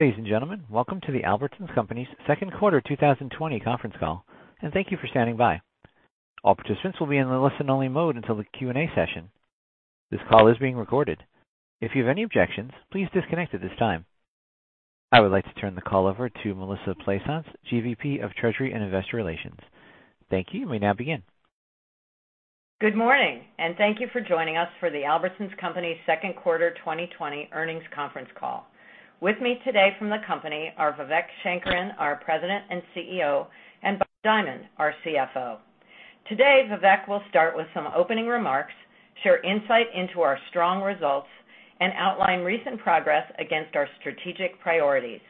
Ladies and gentlemen, welcome to the Albertsons Companies' second quarter 2020 conference call, and thank you for standing by. All participants will be in the listen-only mode until the Q&A session. This call is being recorded. If you have any objections, please disconnect at this time. I would like to turn the call over to Melissa Plaisance, GVP of Treasury and Investor Relations. Thank you, and we now begin. Good morning, and thank you for joining us for the Albertsons Companies' second quarter 2020 earnings conference call. With me today from the company are Vivek Sankaran, our President and CEO, and Bob Dimond, our CFO. Today, Vivek will start with some opening remarks, share insight into our strong results, and outline recent progress against our strategic priorities.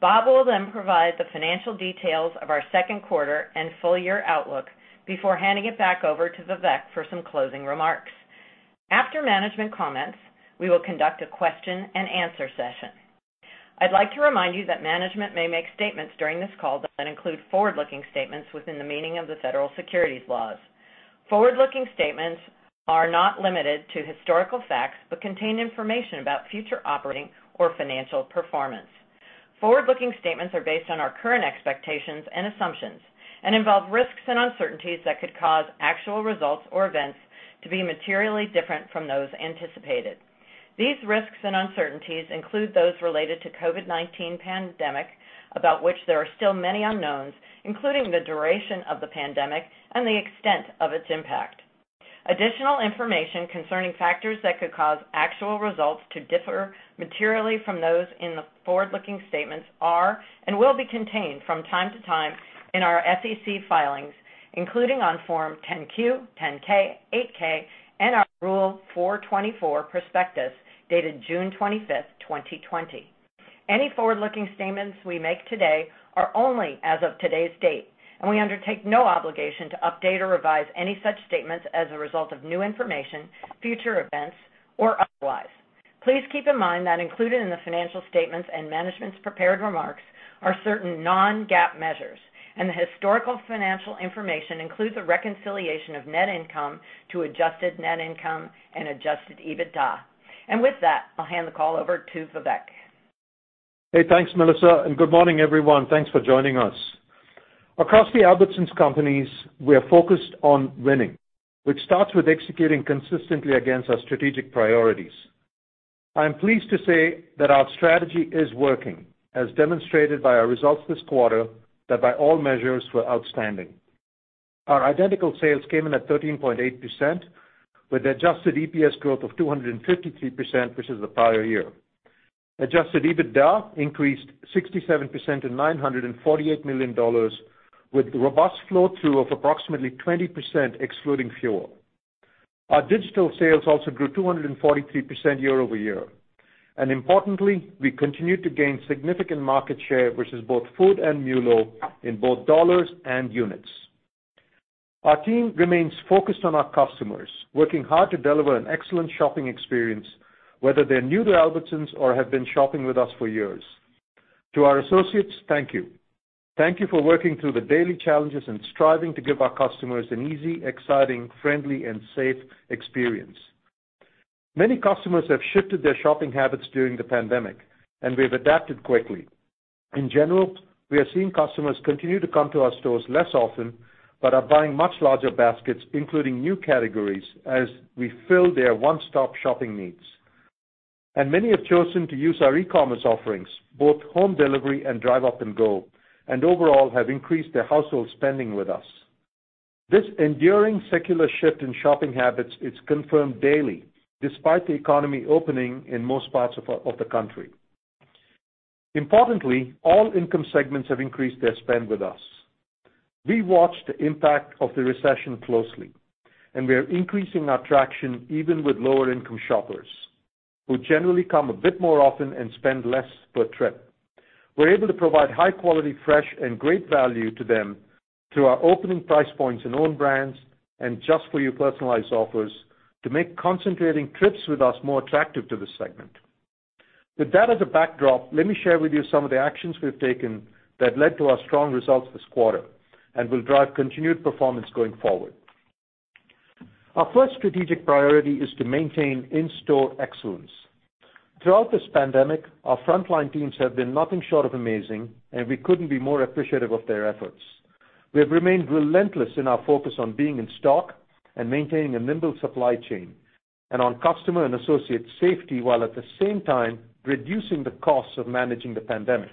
Bob will then provide the financial details of our second quarter and full year outlook before handing it back over to Vivek for some closing remarks. After management comments, we will conduct a question-and-answer session. I'd like to remind you that management may make statements during this call that include forward-looking statements within the meaning of the federal securities laws. Forward-looking statements are not limited to historical facts but contain information about future operating or financial performance. Forward-looking statements are based on our current expectations and assumptions and involve risks and uncertainties that could cause actual results or events to be materially different from those anticipated. These risks and uncertainties include those related to the COVID-19 pandemic, about which there are still many unknowns, including the duration of the pandemic and the extent of its impact. Additional information concerning factors that could cause actual results to differ materially from those in the forward-looking statements are and will be contained from time to time in our SEC filings, including on Form 10-Q, 10-K, 8-K, and our Rule 424 prospectus dated June 25th, 2020. Any forward-looking statements we make today are only as of today's date, and we undertake no obligation to update or revise any such statements as a result of new information, future events, or otherwise. Please keep in mind that included in the financial statements and management's prepared remarks are certain non-GAAP measures, and the historical financial information includes a reconciliation of net income to Adjusted Net Income and Adjusted EBITDA, and with that, I'll hand the call over to Vivek. Hey, thanks, Melissa, and good morning, everyone. Thanks for joining us. Across the Albertsons Companies, we are focused on winning, which starts with executing consistently against our strategic priorities. I am pleased to say that our strategy is working, as demonstrated by our results this quarter that by all measures were outstanding. Our identical sales came in at 13.8%, with Adjusted EPS growth of 253%, which is the prior year. Adjusted EBITDA increased 67% to $948 million, with robust flow-through of approximately 20% excluding fuel. Our digital sales also grew 243% year-over-year, and importantly, we continue to gain significant market share, which is both Food and MULO, in both dollars and units. Our team remains focused on our customers, working hard to deliver an excellent shopping experience, whether they're new to Albertsons or have been shopping with us for years. To our associates, thank you. Thank you for working through the daily challenges and striving to give our customers an easy, exciting, friendly, and safe experience. Many customers have shifted their shopping habits during the pandemic, and we have adapted quickly. In general, we are seeing customers continue to come to our stores less often but are buying much larger baskets, including new categories, as we fill their one-stop shopping needs. And many have chosen to use our e-commerce offerings, both home delivery and Drive Up & Go, and overall have increased their household spending with us. This enduring secular shift in shopping habits is confirmed daily, despite the economy opening in most parts of the country. Importantly, all income segments have increased their spend with us. We watch the impact of the recession closely, and we are increasing our traction even with lower-income shoppers, who generally come a bit more often and spend less per trip. We're able to provide high-quality, fresh, and great value to them through our opening price points and Own Brands and Just for U personalized offers to make concentrating trips with us more attractive to this segment. With that as a backdrop, let me share with you some of the actions we've taken that led to our strong results this quarter and will drive continued performance going forward. Our first strategic priority is to maintain in-store excellence. Throughout this pandemic, our frontline teams have been nothing short of amazing, and we couldn't be more appreciative of their efforts. We have remained relentless in our focus on being in stock and maintaining a nimble supply chain and on customer and associate safety while, at the same time, reducing the costs of managing the pandemic.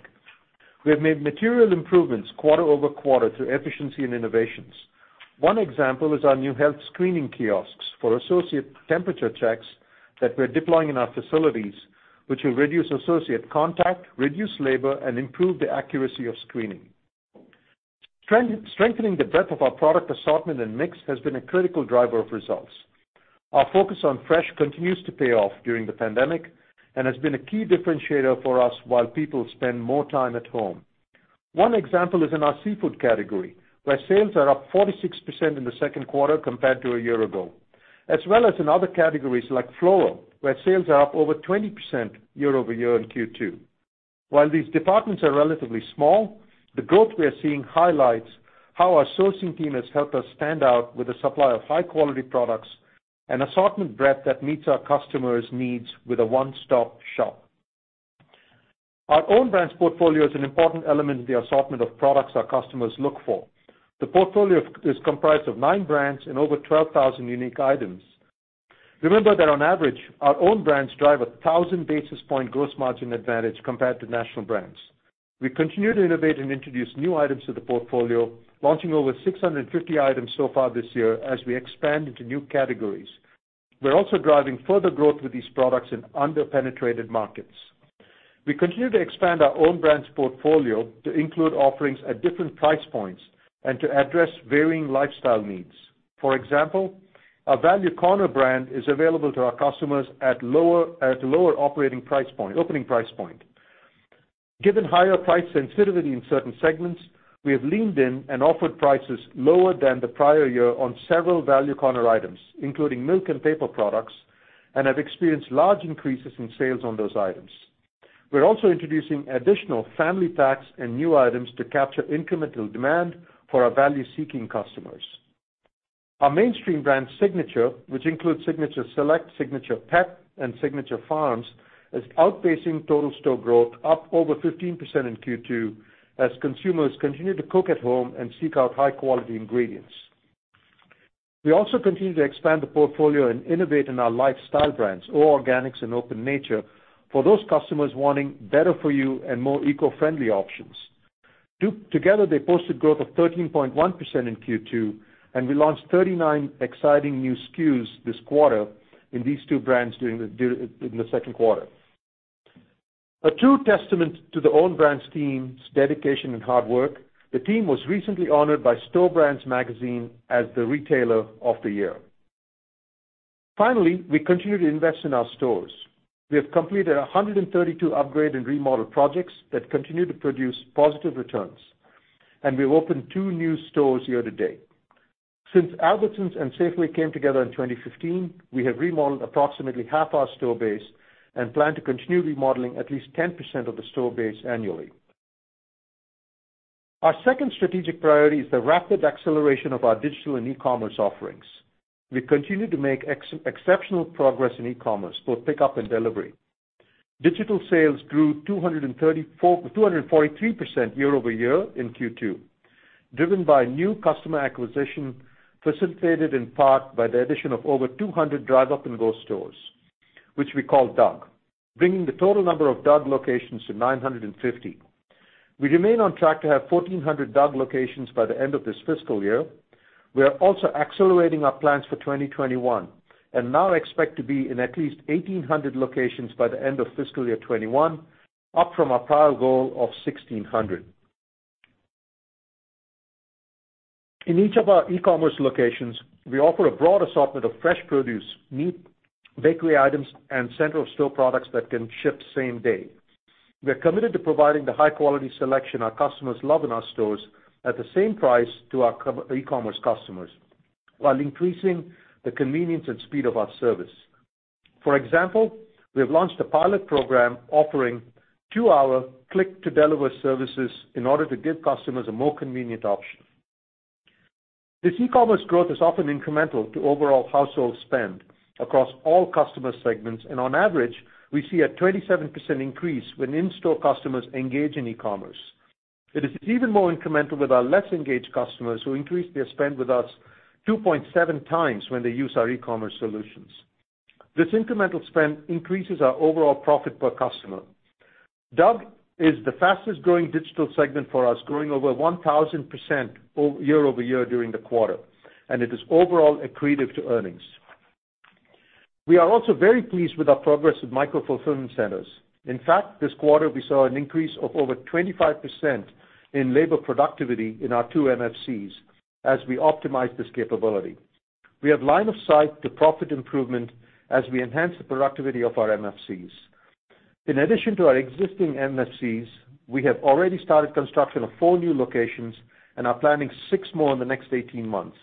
We have made material improvements quarter-over-quarter through efficiency and innovations. One example is our new health screening kiosks for associate temperature checks that we're deploying in our facilities, which will reduce associate contact, reduce labor, and improve the accuracy of screening. Strengthening the breadth of our product assortment and mix has been a critical driver of results. Our focus on fresh continues to pay off during the pandemic and has been a key differentiator for us while people spend more time at home. One example is in our seafood category, where sales are up 46% in the second quarter compared to a year ago, as well as in other categories like floral, where sales are up over 20% year-over-year in Q2. While these departments are relatively small, the growth we are seeing highlights how our sourcing team has helped us stand out with a supply of high-quality products and assortment breadth that meets our customers' needs with a one-stop shop. Our own brands portfolio is an important element in the assortment of products our customers look for. The portfolio is comprised of nine brands and over 12,000 unique items. Remember that, on average, our own brands drive a 1,000 basis point gross margin advantage compared to national brands. We continue to innovate and introduce new items to the portfolio, launching over 650 items so far this year as we expand into new categories. We're also driving further growth with these products in under-penetrated markets. We continue to expand our Own Brands portfolio to include offerings at different price points and to address varying lifestyle needs. For example, our Value Corner brand is available to our customers at lower opening price points. Given higher price sensitivity in certain segments, we have leaned in and offered prices lower than the prior year on several Value Corner items, including milk and paper products, and have experienced large increases in sales on those items. We're also introducing additional family packs and new items to capture incremental demand for our value-seeking customers. Our mainstream brand Signature, which includes Signature Select, Signature Pet, and Signature Farms, is outpacing total store growth up over 15% in Q2 as consumers continue to cook at home and seek out high-quality ingredients. We also continue to expand the portfolio and innovate in our lifestyle brands, O Organics and Open Nature, for those customers wanting better-for-you and more eco-friendly options. Together, they posted growth of 13.1% in Q2, and we launched 39 exciting new SKUs this quarter in these two brands during the second quarter. A true testament to the Own Brands team's dedication and hard work, the team was recently honored by Store Brands Magazine as the Retailer of the Year. Finally, we continue to invest in our stores. We have completed 132 upgrade and remodel projects that continue to produce positive returns, and we've opened two new stores year-to-date. Since Albertsons and Safeway came together in 2015, we have remodeled approximately half our store base and plan to continue remodeling at least 10% of the store base annually. Our second strategic priority is the rapid acceleration of our digital and e-commerce offerings. We continue to make exceptional progress in e-commerce, both pickup and delivery. Digital sales grew 243% year-over-year in Q2, driven by new customer acquisition facilitated in part by the addition of over 200 Drive Up & Go stores, which we call DUG, bringing the total number of DUG locations to 950. We remain on track to have 1,400 DUG locations by the end of this fiscal year. We are also accelerating our plans for 2021 and now expect to be in at least 1,800 locations by the end of fiscal year 2021, up from our prior goal of 1,600. In each of our e-commerce locations, we offer a broad assortment of fresh produce, meat, bakery items, and central store products that can ship same-day. We are committed to providing the high-quality selection our customers love in our stores at the same price to our e-commerce customers while increasing the convenience and speed of our service. For example, we have launched a pilot program offering two-hour click-to-deliver services in order to give customers a more convenient option. This e-commerce growth is often incremental to overall household spend across all customer segments, and on average, we see a 27% increase when in-store customers engage in e-commerce. It is even more incremental with our less engaged customers who increase their spend with us 2.7x when they use our e-commerce solutions. This incremental spend increases our overall profit per customer. DUG is the fastest-growing digital segment for us, growing over 1,000% year-over-year during the quarter, and it is overall accretive to earnings. We are also very pleased with our progress with micro-fulfillment centers. In fact, this quarter, we saw an increase of over 25% in labor productivity in our two MFCs as we optimized this capability. We have line of sight to profit improvement as we enhance the productivity of our MFCs. In addition to our existing MFCs, we have already started construction of four new locations and are planning six more in the next 18 months.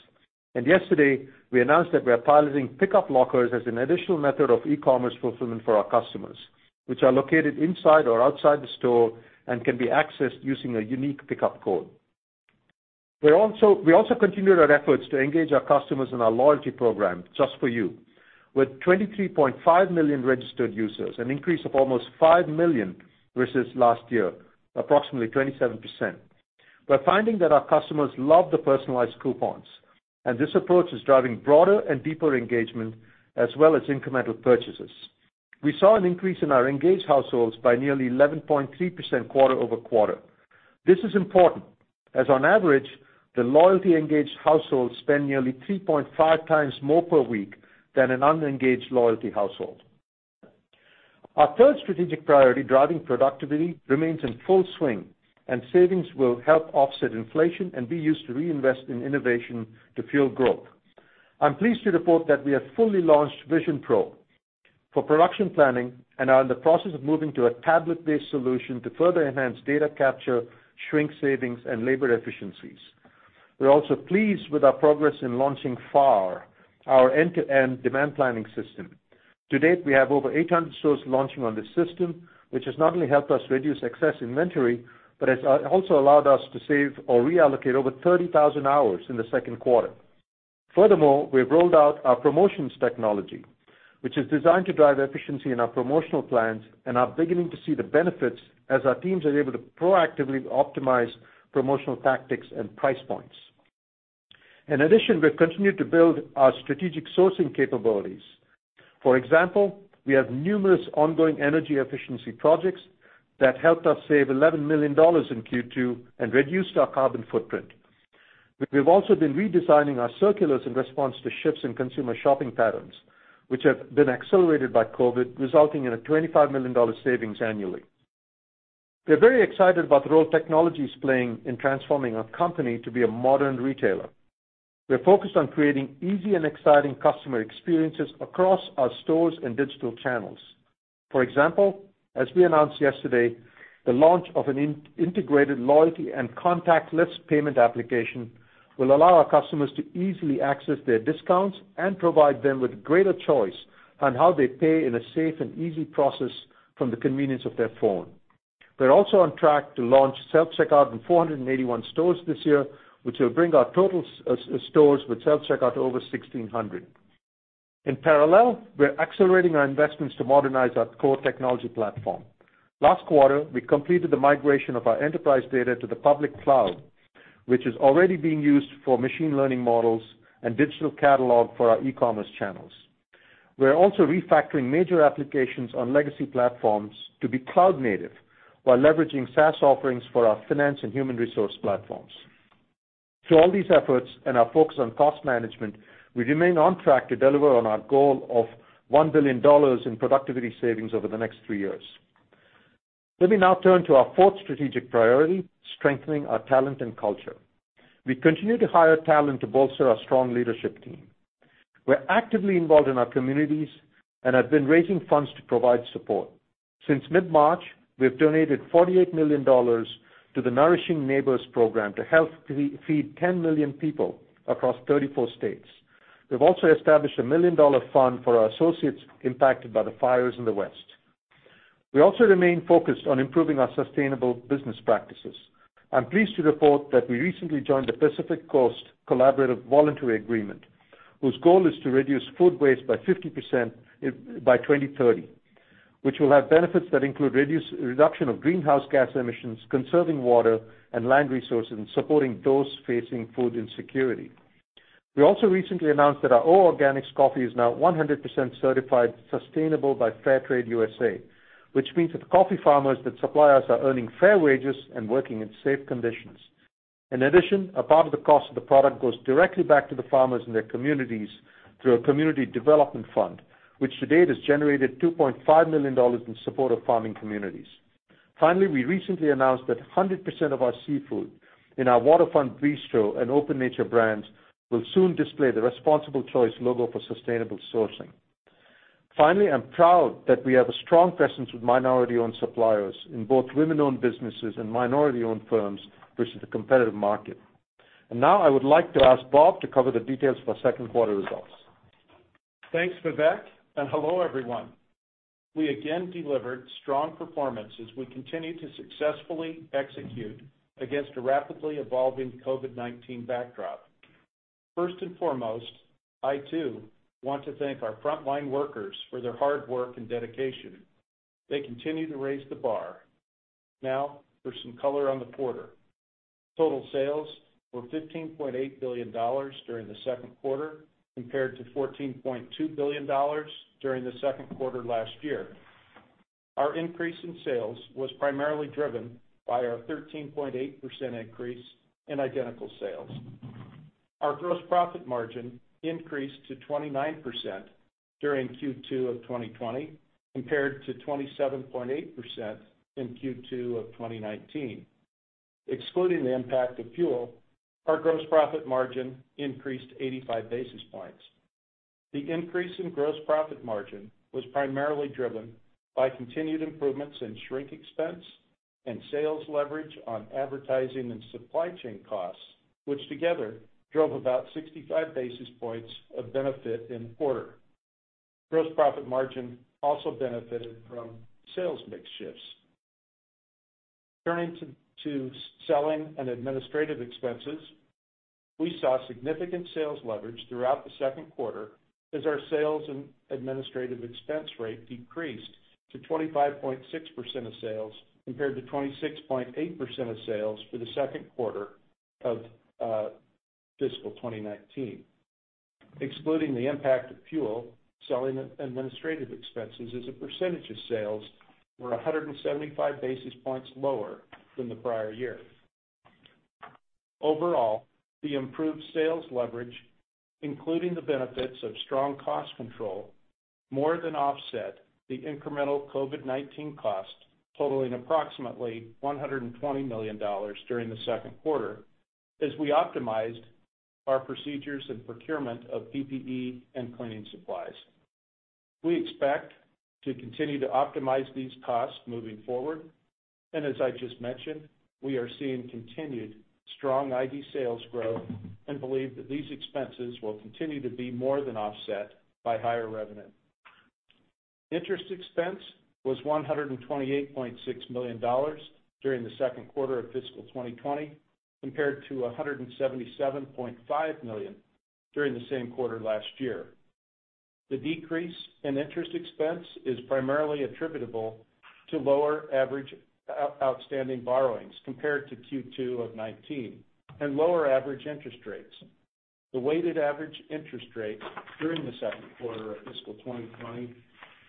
And yesterday, we announced that we are piloting pickup lockers as an additional method of e-commerce fulfillment for our customers, which are located inside or outside the store and can be accessed using a unique pickup code. We also continue our efforts to engage our customers in our loyalty program, Just for U, with 23.5 million registered users, an increase of almost 5 million versus last year, approximately 27%. We're finding that our customers love the personalized coupons, and this approach is driving broader and deeper engagement as well as incremental purchases. We saw an increase in our engaged households by nearly 11.3% quarter-over-quarter. This is important as, on average, the loyalty-engaged households spend nearly 3.5x more per week than an unengaged loyalty household. Our third strategic priority driving productivity remains in full swing, and savings will help offset inflation and be used to reinvest in innovation to fuel growth. I'm pleased to report that we have fully launched VisionPro for production planning and are in the process of moving to a tablet-based solution to further enhance data capture, shrink savings, and labor efficiencies. We're also pleased with our progress in launching FAR, our end-to-end demand planning system. To date, we have over 800 stores launching on this system, which has not only helped us reduce excess inventory but has also allowed us to save or reallocate over 30,000 hours in the second quarter. Furthermore, we have rolled out our promotions technology, which is designed to drive efficiency in our promotional plans, and are beginning to see the benefits as our teams are able to proactively optimize promotional tactics and price points. In addition, we have continued to build our strategic sourcing capabilities. For example, we have numerous ongoing energy efficiency projects that helped us save $11 million in Q2 and reduced our carbon footprint. We have also been redesigning our circulars in response to shifts in consumer shopping patterns, which have been accelerated by COVID, resulting in a $25 million savings annually. We're very excited about the role technology is playing in transforming our company to be a modern retailer. We're focused on creating easy and exciting customer experiences across our stores and digital channels. For example, as we announced yesterday, the launch of an integrated loyalty and contactless payment application will allow our customers to easily access their discounts and provide them with greater choice on how they pay in a safe and easy process from the convenience of their phone. We're also on track to launch self-checkout in 481 stores this year, which will bring our total stores with self-checkout to over 1,600. In parallel, we're accelerating our investments to modernize our core technology platform. Last quarter, we completed the migration of our enterprise data to the public cloud, which is already being used for machine learning models and digital catalog for our e-commerce channels. We're also refactoring major applications on legacy platforms to be cloud-native while leveraging SaaS offerings for our finance and human resource platforms. Through all these efforts and our focus on cost management, we remain on track to deliver on our goal of $1 billion in productivity savings over the next three years. Let me now turn to our fourth strategic priority: strengthening our talent and culture. We continue to hire talent to bolster our strong leadership team. We're actively involved in our communities and have been raising funds to provide support. Since mid-March, we have donated $48 million to the Nourishing Neighbors program to help feed 10 million people across 34 states. We've also established a $1 million fund for our associates impacted by the fires in the West. We also remain focused on improving our sustainable business practices. I'm pleased to report that we recently joined the Pacific Coast Collaborative Voluntary Agreement, whose goal is to reduce food waste by 2030, which will have benefits that include reduction of greenhouse gas emissions, conserving water and land resources, and supporting those facing food insecurity. We also recently announced that our O Organics coffee is now 100% certified sustainable by Fair Trade USA, which means that the coffee farmers that supply us are earning fair wages and working in safe conditions. In addition, a part of the cost of the product goes directly back to the farmers and their communities through a community development fund, which to date has generated $2.5 million in support of farming communities. Finally, we recently announced that 100% of our seafood in our Waterfront Bistro and Open Nature brands will soon display the Responsible Choice logo for sustainable sourcing. Finally, I'm proud that we have a strong presence with minority-owned suppliers in both women-owned businesses and minority-owned firms versus the competitive market. And now I would like to ask Bob to cover the details of our second quarter results. Thanks, Vivek, and hello, everyone. We again delivered strong performance as we continue to successfully execute against a rapidly evolving COVID-19 backdrop. First and foremost, I too want to thank our frontline workers for their hard work and dedication. They continue to raise the bar. Now for some color on the quarter. Total sales were $15.8 billion during the second quarter compared to $14.2 billion during the second quarter last year. Our increase in sales was primarily driven by our 13.8% increase in identical sales. Our gross profit margin increased to 29% during Q2 of 2020 compared to 27.8% in Q2 of 2019. Excluding the impact of fuel, our gross profit margin increased 85 basis points. The increase in gross profit margin was primarily driven by continued improvements in shrink expense and sales leverage on advertising and supply chain costs, which together drove about 65 basis points of benefit in the quarter. Gross profit margin also benefited from sales mix shifts. Turning to selling and administrative expenses, we saw significant sales leverage throughout the second quarter as our sales and administrative expense rate decreased to 25.6% of sales compared to 26.8% of sales for the second quarter of Fiscal 2019. Excluding the impact of fuel, selling and administrative expenses as a percentage of sales were 175 basis points lower than the prior year. Overall, the improved sales leverage, including the benefits of strong cost control, more than offset the incremental COVID-19 cost, totaling approximately $120 million during the second quarter as we optimized our procedures and procurement of PPE and cleaning supplies. We expect to continue to optimize these costs moving forward, and as I just mentioned, we are seeing continued strong ID sales growth and believe that these expenses will continue to be more than offset by higher revenue. Interest expense was $128.6 million during the second quarter of Fiscal 2020 compared to $177.5 million during the same quarter last year. The decrease in interest expense is primarily attributable to lower average outstanding borrowings compared to Q2 of 2019 and lower average interest rates. The weighted average interest rate during the second quarter of Fiscal 2020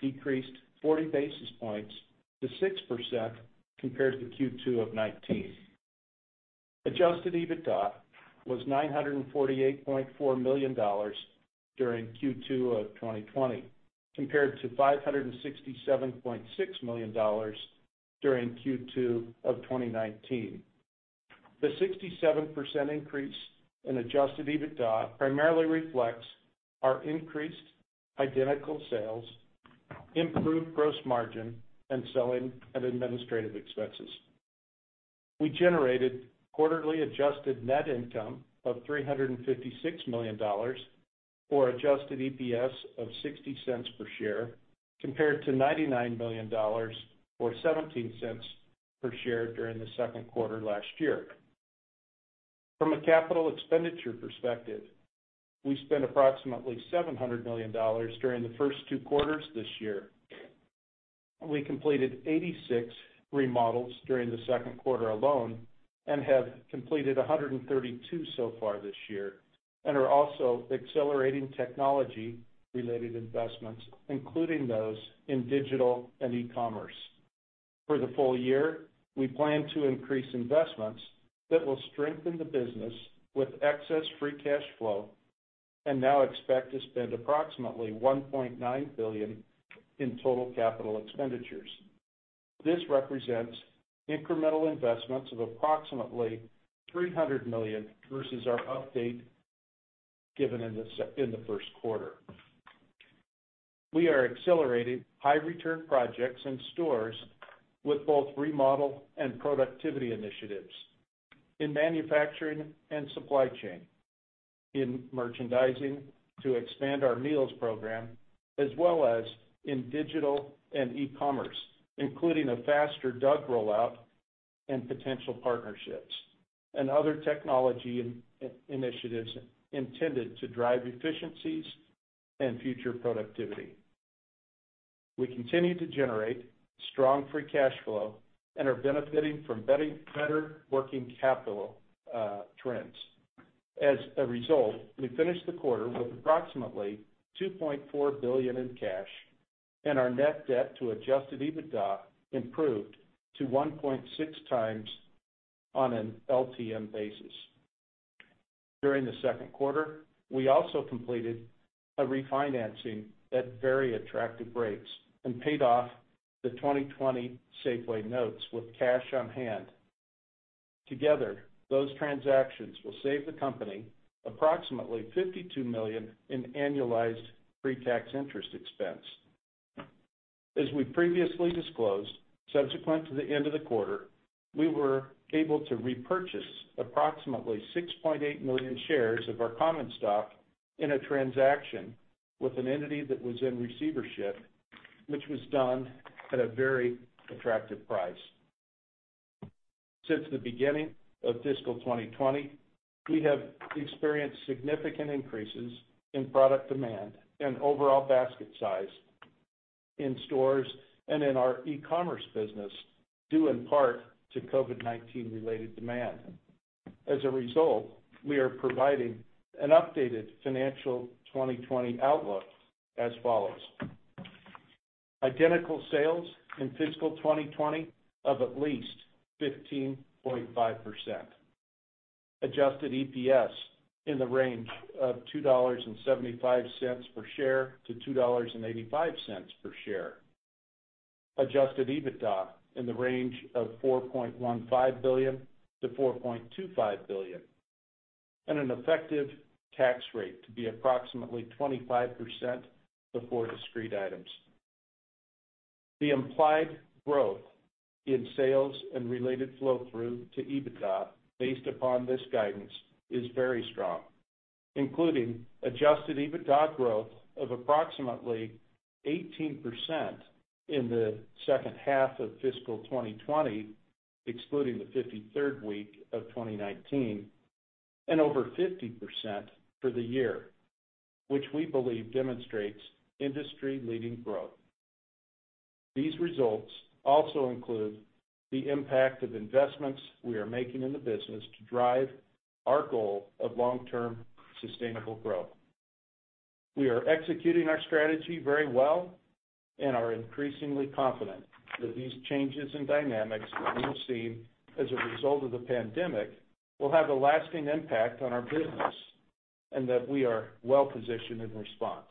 decreased 40 basis points to 6% compared to Q2 of 2019. Adjusted EBITDA was $948.4 million during Q2 of 2020 compared to $567.6 million during Q2 of 2019. The 67% increase in adjusted EBITDA primarily reflects our increased identical sales, improved gross margin, and selling and administrative expenses. We generated quarterly Adjusted Net Income of $356 million or adjusted EPS of $0.60 per share compared to $99 million or $0.17 per share during the second quarter last year. From a capital expenditure perspective, we spent approximately $700 million during the first two quarters this year. We completed 86 remodels during the second quarter alone and have completed 132 so far this year and are also accelerating technology-related investments, including those in digital and e-commerce. For the full year, we plan to increase investments that will strengthen the business with excess free cash flow and now expect to spend approximately $1.9 billion in total capital expenditures. This represents incremental investments of approximately $300 million versus our update given in the first quarter. We are accelerating high-return projects and stores with both remodel and productivity initiatives in manufacturing and supply chain, in merchandising to expand our meals program, as well as in digital and e-commerce, including a faster DUG rollout and potential partnerships and other technology initiatives intended to drive efficiencies and future productivity. We continue to generate strong free cash flow and are benefiting from better working capital trends. As a result, we finished the quarter with approximately $2.4 billion in cash, and our net debt to adjusted EBITDA improved to 1.6x on an LTM basis. During the second quarter, we also completed a refinancing at very attractive rates and paid off the 2020 Safeway notes with cash on hand. Together, those transactions will save the company approximately $52 million in annualized pre-tax interest expense. As we previously disclosed, subsequent to the end of the quarter, we were able to repurchase approximately 6.8 million shares of our common stock in a transaction with an entity that was in receivership, which was done at a very attractive price. Since the beginning of Fiscal 2020, we have experienced significant increases in product demand and overall basket size in stores and in our e-commerce business due in part to COVID-19-related demand. As a result, we are providing an updated fiscal 2020 outlook as follows: Identical Sales in fiscal 2020 of at least 15.5%, adjusted EPS in the range of $2.75-$2.85 per share, adjusted EBITDA in the range of $4.15 billion-$4.25 billion, and an effective tax rate to be approximately 25% before discrete items. The implied growth in sales and related flow-through to EBITDA based upon this guidance is very strong, including adjusted EBITDA growth of approximately 18% in the second half of Fiscal 2020, excluding the 53rd week of 2019, and over 50% for the year, which we believe demonstrates industry-leading growth. These results also include the impact of investments we are making in the business to drive our goal of long-term sustainable growth. We are executing our strategy very well and are increasingly confident that these changes and dynamics that we have seen as a result of the pandemic will have a lasting impact on our business and that we are well-positioned in response.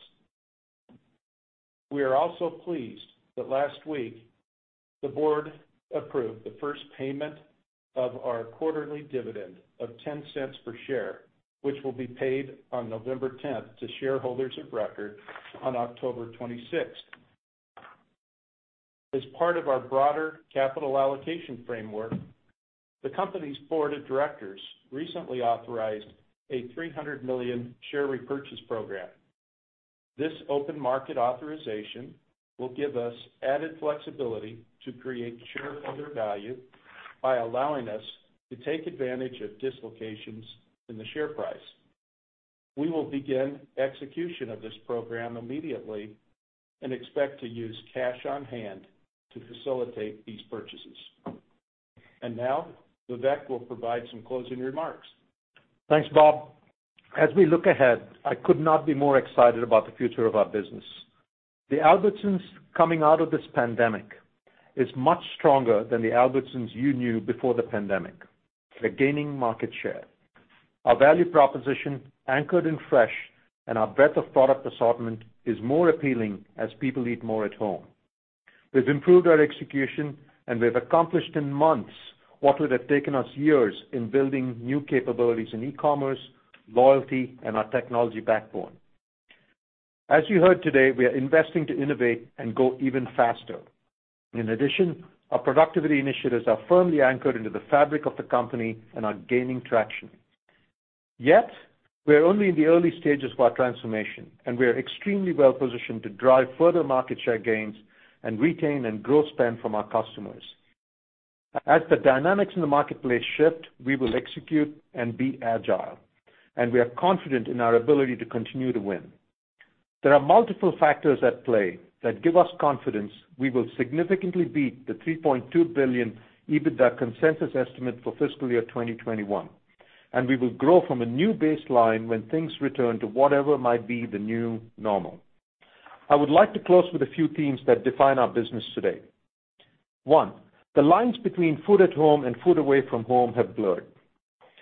We are also pleased that last week, the board approved the first payment of our quarterly dividend of $0.10 per share, which will be paid on November 10th to shareholders of record on October 26th. As part of our broader capital allocation framework, the company's board of directors recently authorized a $300 million share repurchase program. This open market authorization will give us added flexibility to create shareholder value by allowing us to take advantage of dislocations in the share price. We will begin execution of this program immediately and expect to use cash on hand to facilitate these purchases, and now Vivek will provide some closing remarks. Thanks, Bob. As we look ahead, I could not be more excited about the future of our business. The Albertsons coming out of this pandemic is much stronger than the Albertsons you knew before the pandemic. They're gaining market share. Our value proposition, anchored and fresh, and our breadth of product assortment is more appealing as people eat more at home. We've improved our execution, and we've accomplished in months what would have taken us years in building new capabilities in e-commerce, loyalty, and our technology backbone. As you heard today, we are investing to innovate and go even faster. In addition, our productivity initiatives are firmly anchored into the fabric of the company and are gaining traction. Yet, we are only in the early stages of our transformation, and we are extremely well-positioned to drive further market share gains and retain and grow spend from our customers. As the dynamics in the marketplace shift, we will execute and be agile, and we are confident in our ability to continue to win. There are multiple factors at play that give us confidence we will significantly beat the $3.2 billion EBITDA consensus estimate for Fiscal Year 2021, and we will grow from a new baseline when things return to whatever might be the new normal. I would like to close with a few themes that define our business today. One, the lines between food at home and food away from home have blurred.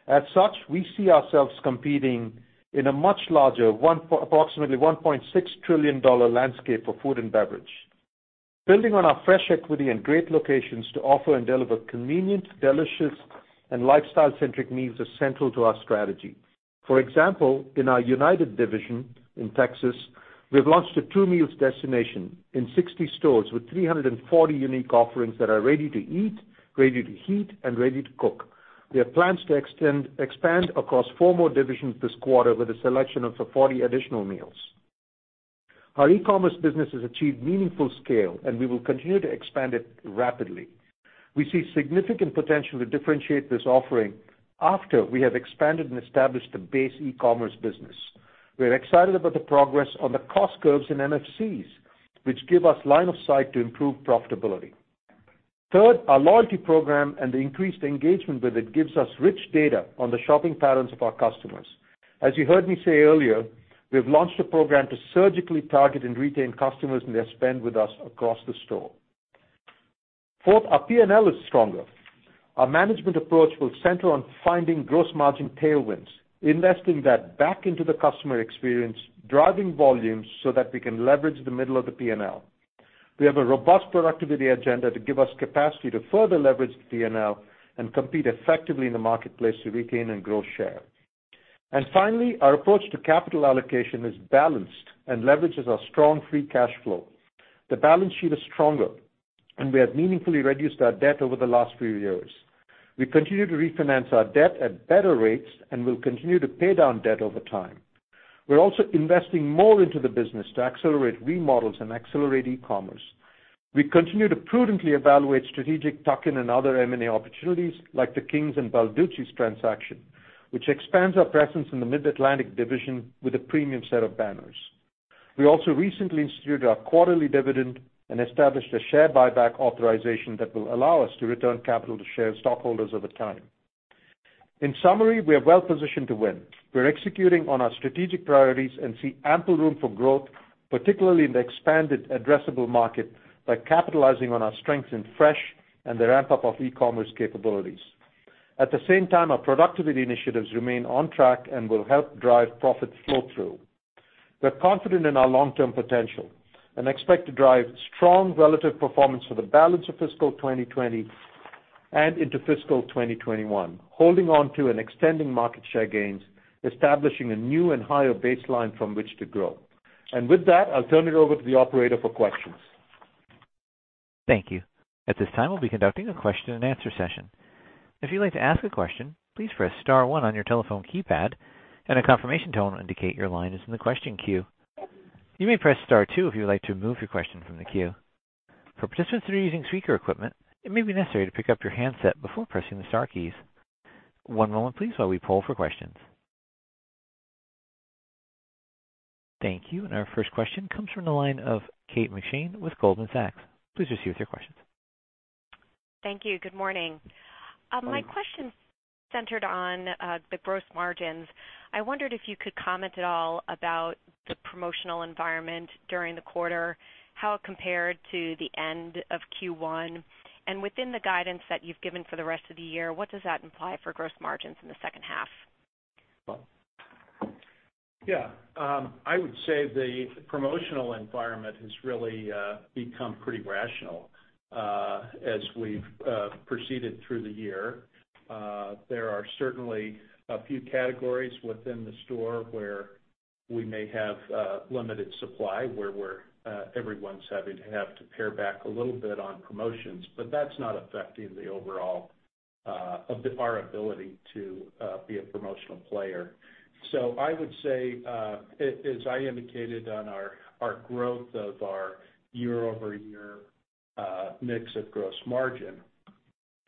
As such, we see ourselves competing in a much larger, approximately $1.6 trillion landscape for food and beverage. Building on our fresh equity and great locations to offer and deliver convenient, delicious, and lifestyle-centric meals is central to our strategy. For example, in our United division in Texas, we have launched a meals destination in 60 stores with 340 unique offerings that are ready to eat, ready to heat, and ready to cook. We have plans to expand across four more divisions this quarter with a selection of 40 additional meals. Our e-commerce business has achieved meaningful scale, and we will continue to expand it rapidly. We see significant potential to differentiate this offering after we have expanded and established a base e-commerce business. We are excited about the progress on the cost curves and MFCs, which give us line of sight to improve profitability. Third, our loyalty program and the increased engagement with it gives us rich data on the shopping patterns of our customers. As you heard me say earlier, we have launched a program to surgically target and retain customers and their spend with us across the store. Fourth, our P&L is stronger. Our management approach will center on finding gross margin tailwinds, investing that back into the customer experience, driving volumes so that we can leverage the middle of the P&L. We have a robust productivity agenda to give us capacity to further leverage the P&L and compete effectively in the marketplace to retain and grow share. And finally, our approach to capital allocation is balanced and leverages our strong free cash flow. The balance sheet is stronger, and we have meaningfully reduced our debt over the last few years. We continue to refinance our debt at better rates and will continue to pay down debt over time. We're also investing more into the business to accelerate remodels and accelerate e-commerce. We continue to prudently evaluate strategic tuck-in and other M&A opportunities like the Kings and Balducci's transaction, which expands our presence in the Mid-Atlantic Division with a premium set of banners. We also recently instituted our quarterly dividend and established a share buyback authorization that will allow us to return capital to share stockholders over time. In summary, we are well-positioned to win. We're executing on our strategic priorities and see ample room for growth, particularly in the expanded addressable market by capitalizing on our strengths in fresh and the ramp-up of e-commerce capabilities. At the same time, our productivity initiatives remain on track and will help drive profit flow-through. We're confident in our long-term potential and expect to drive strong relative performance for the balance of Fiscal 2020 and into Fiscal 2021, holding on to and extending market share gains, establishing a new and higher baseline from which to grow. And with that, I'll turn it over to the operator for questions. Thank you. At this time, we'll be conducting a question-and-answer session. If you'd like to ask a question, please press star one on your telephone keypad, and a confirmation tone will indicate your line is in the question queue. You may press star two if you'd like to remove your question from the queue. For participants that are using speaker equipment, it may be necessary to pick up your handset before pressing the star keys. One moment, please, while we poll for questions. Thank you. And our first question comes from the line of Kate McShane with Goldman Sachs. Please proceed with your questions. Thank you. Good morning. My question centered on the gross margins. I wondered if you could comment at all about the promotional environment during the quarter, how it compared to the end of Q1, and within the guidance that you've given for the rest of the year, what does that imply for gross margins in the second half? Yeah. I would say the promotional environment has really become pretty rational as we've proceeded through the year. There are certainly a few categories within the store where we may have limited supply, where everyone's having to pare back a little bit on promotions, but that's not affecting the overall of our ability to be a promotional player. So I would say, as I indicated on our growth of our year-over-year mix of gross margin,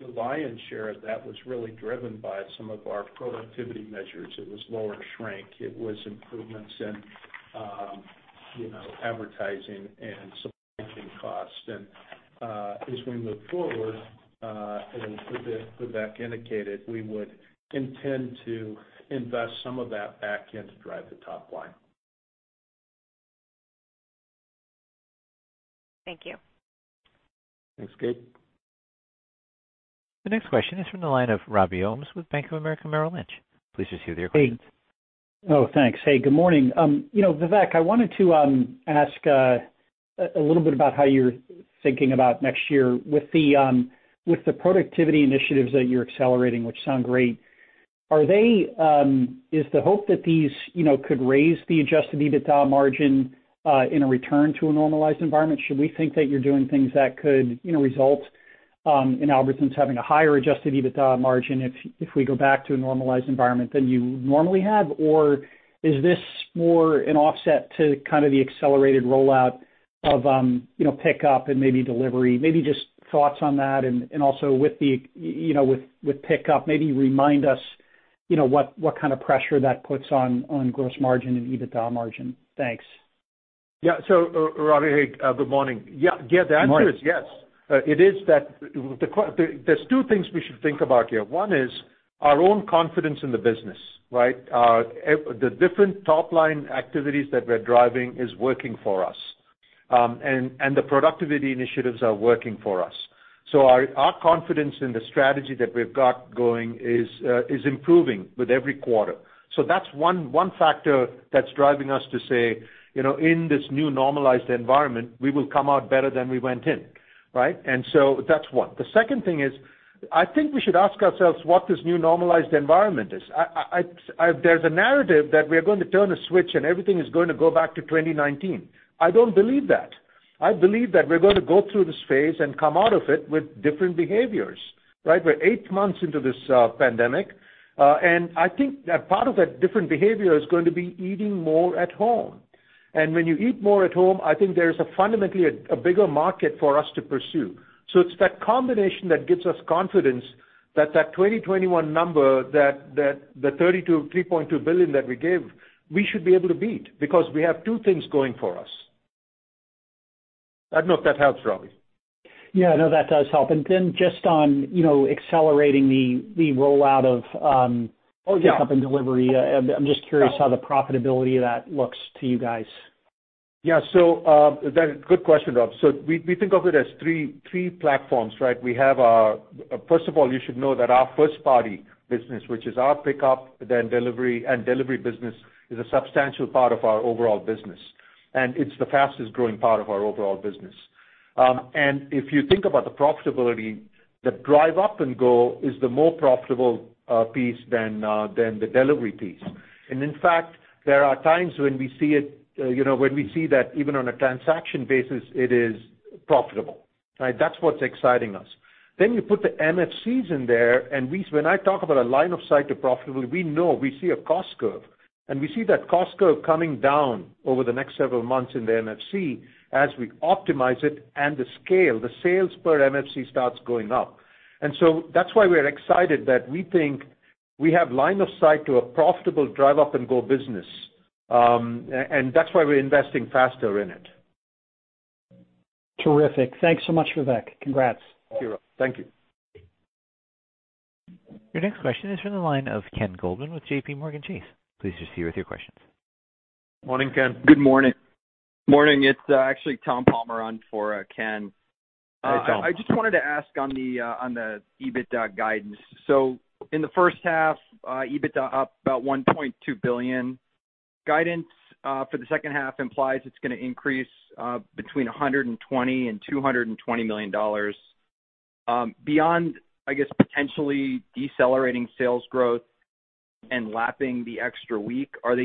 the lion's share of that was really driven by some of our productivity measures. It was lower shrink. It was improvements in advertising and supply chain costs. And as we move forward, as Vivek indicated, we would intend to invest some of that back into drive the top line. Thank you. Thanks, Kate. The next question is from the line of Robbie Ohmes with Bank of America Merrill Lynch. Please proceed with your questions. Hey. Oh, thanks. Hey, good morning. Vivek, I wanted to ask a little bit about how you're thinking about next year with the productivity initiatives that you're accelerating, which sound great. Is the hope that these could raise the adjusted EBITDA margin in a return to a normalized environment? Should we think that you're doing things that could result in Albertsons having a higher adjusted EBITDA margin if we go back to a normalized environment than you normally have? Or is this more an offset to kind of the accelerated rollout of pickup and maybe delivery? Maybe just thoughts on that. And also with pickup, maybe remind us what kind of pressure that puts on gross margin and EBITDA margin. Thanks. Yeah. So, Robbie, hey, good morning. Yeah. The answer is yes. It is that there's two things we should think about here. One is our own confidence in the business, right? The different top-line activities that we're driving are working for us, and the productivity initiatives are working for us. So our confidence in the strategy that we've got going is improving with every quarter. So that's one factor that's driving us to say, in this new normalized environment, we will come out better than we went in, right? And so that's one. The second thing is I think we should ask ourselves what this new normalized environment is. There's a narrative that we are going to turn a switch and everything is going to go back to 2019. I don't believe that. I believe that we're going to go through this phase and come out of it with different behaviors, right? We're eight months into this pandemic, and I think that part of that different behavior is going to be eating more at home. And when you eat more at home, I think there is fundamentally a bigger market for us to pursue. So it's that combination that gives us confidence that that 2021 number, that the $3.2 billion that we gave, we should be able to beat because we have two things going for us. I don't know if that helps, Robbie. Yeah. No, that does help. And then just on accelerating the rollout of pickup and delivery, I'm just curious how the profitability of that looks to you guys. Yeah. So that's a good question, Rob. So we think of it as three platforms, right? We have our first of all, you should know that our first-party business, which is our pickup and delivery business, is a substantial part of our overall business, and it's the fastest-growing part of our overall business. And if you think about the profitability, the Drive Up & Go is the more profitable piece than the delivery piece. And in fact, there are times when we see it, when we see that even on a transaction basis, it is profitable, right? That's what's exciting us. Then you put the MFCs in there, and when I talk about a line of sight to profitability, we know we see a cost curve, and we see that cost curve coming down over the next several months in the MFC as we optimize it, and the scale, the sales per MFC starts going up. And so that's why we're excited that we think we have line of sight to a profitable Drive Up & Go business, and that's why we're investing faster in it. Terrific. Thanks so much, Vivek. Congrats. Sure. Thank you. Your next question is from the line of Ken Goldman with JPMorgan Chase. Please proceed with your questions. Morning, Ken. Good morning. Morning. It's actually Tom Palmer on for Ken. Hi, Tom. I just wanted to ask on the EBITDA guidance. So in the first half, EBITDA up about $1.2 billion. Guidance for the second half implies it's going to increase between $120 million and $220 million. Beyond, I guess, potentially decelerating sales growth and lapping the extra week, are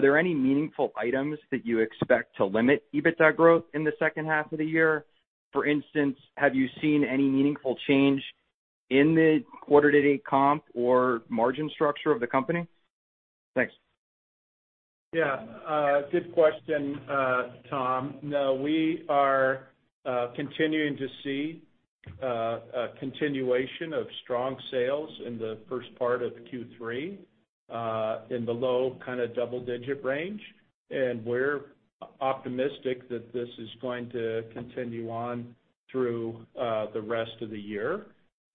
there any meaningful items that you expect to limit EBITDA growth in the second half of the year? For instance, have you seen any meaningful change in the quarter-to-date comp or margin structure of the company? Thanks. Yeah. Good question, Tom. No, we are continuing to see a continuation of strong sales in the first part of Q3 in the low kind of double-digit range, and we're optimistic that this is going to continue on through the rest of the year,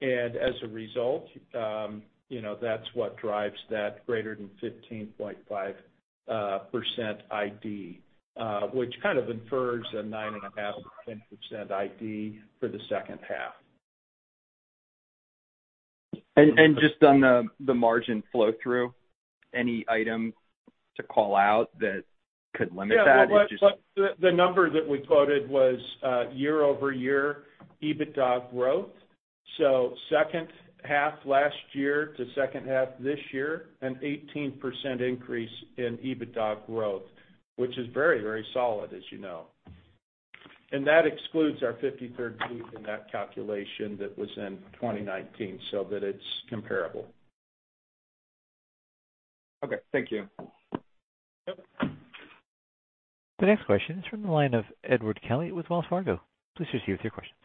and as a result, that's what drives that greater than 15.5% ID, which kind of infers a 9.5%-10% ID for the second half. And just on the margin flow-through, any item to call out that could limit that? Yeah. The number that we quoted was year-over-year EBITDA growth. So second half last year to second half this year, an 18% increase in EBITDA growth, which is very, very solid, as you know. And that excludes our 53rd week in that calculation that was in 2019 so that it's comparable. Okay. Thank you. The next question is from the line of Edward Kelly with Wells Fargo. Please proceed with your questions.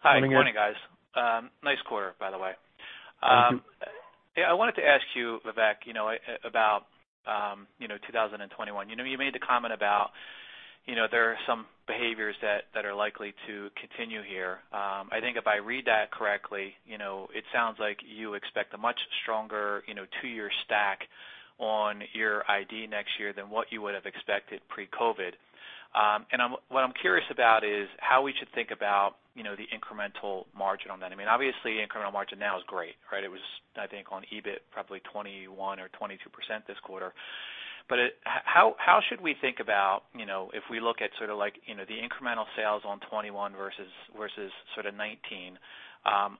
Hi. Good morning, guys. Nice quarter, by the way. I wanted to ask you, Vivek, about 2021. You made the comment about there are some behaviors that are likely to continue here. I think if I read that correctly, it sounds like you expect a much stronger two-year stack on your ID next year than what you would have expected pre-COVID. And what I'm curious about is how we should think about the incremental margin on that. I mean, obviously, incremental margin now is great, right? It was, I think, on EBIT probably 21% or 22% this quarter. But how should we think about if we look at sort of the incremental sales on 2021 versus 2019,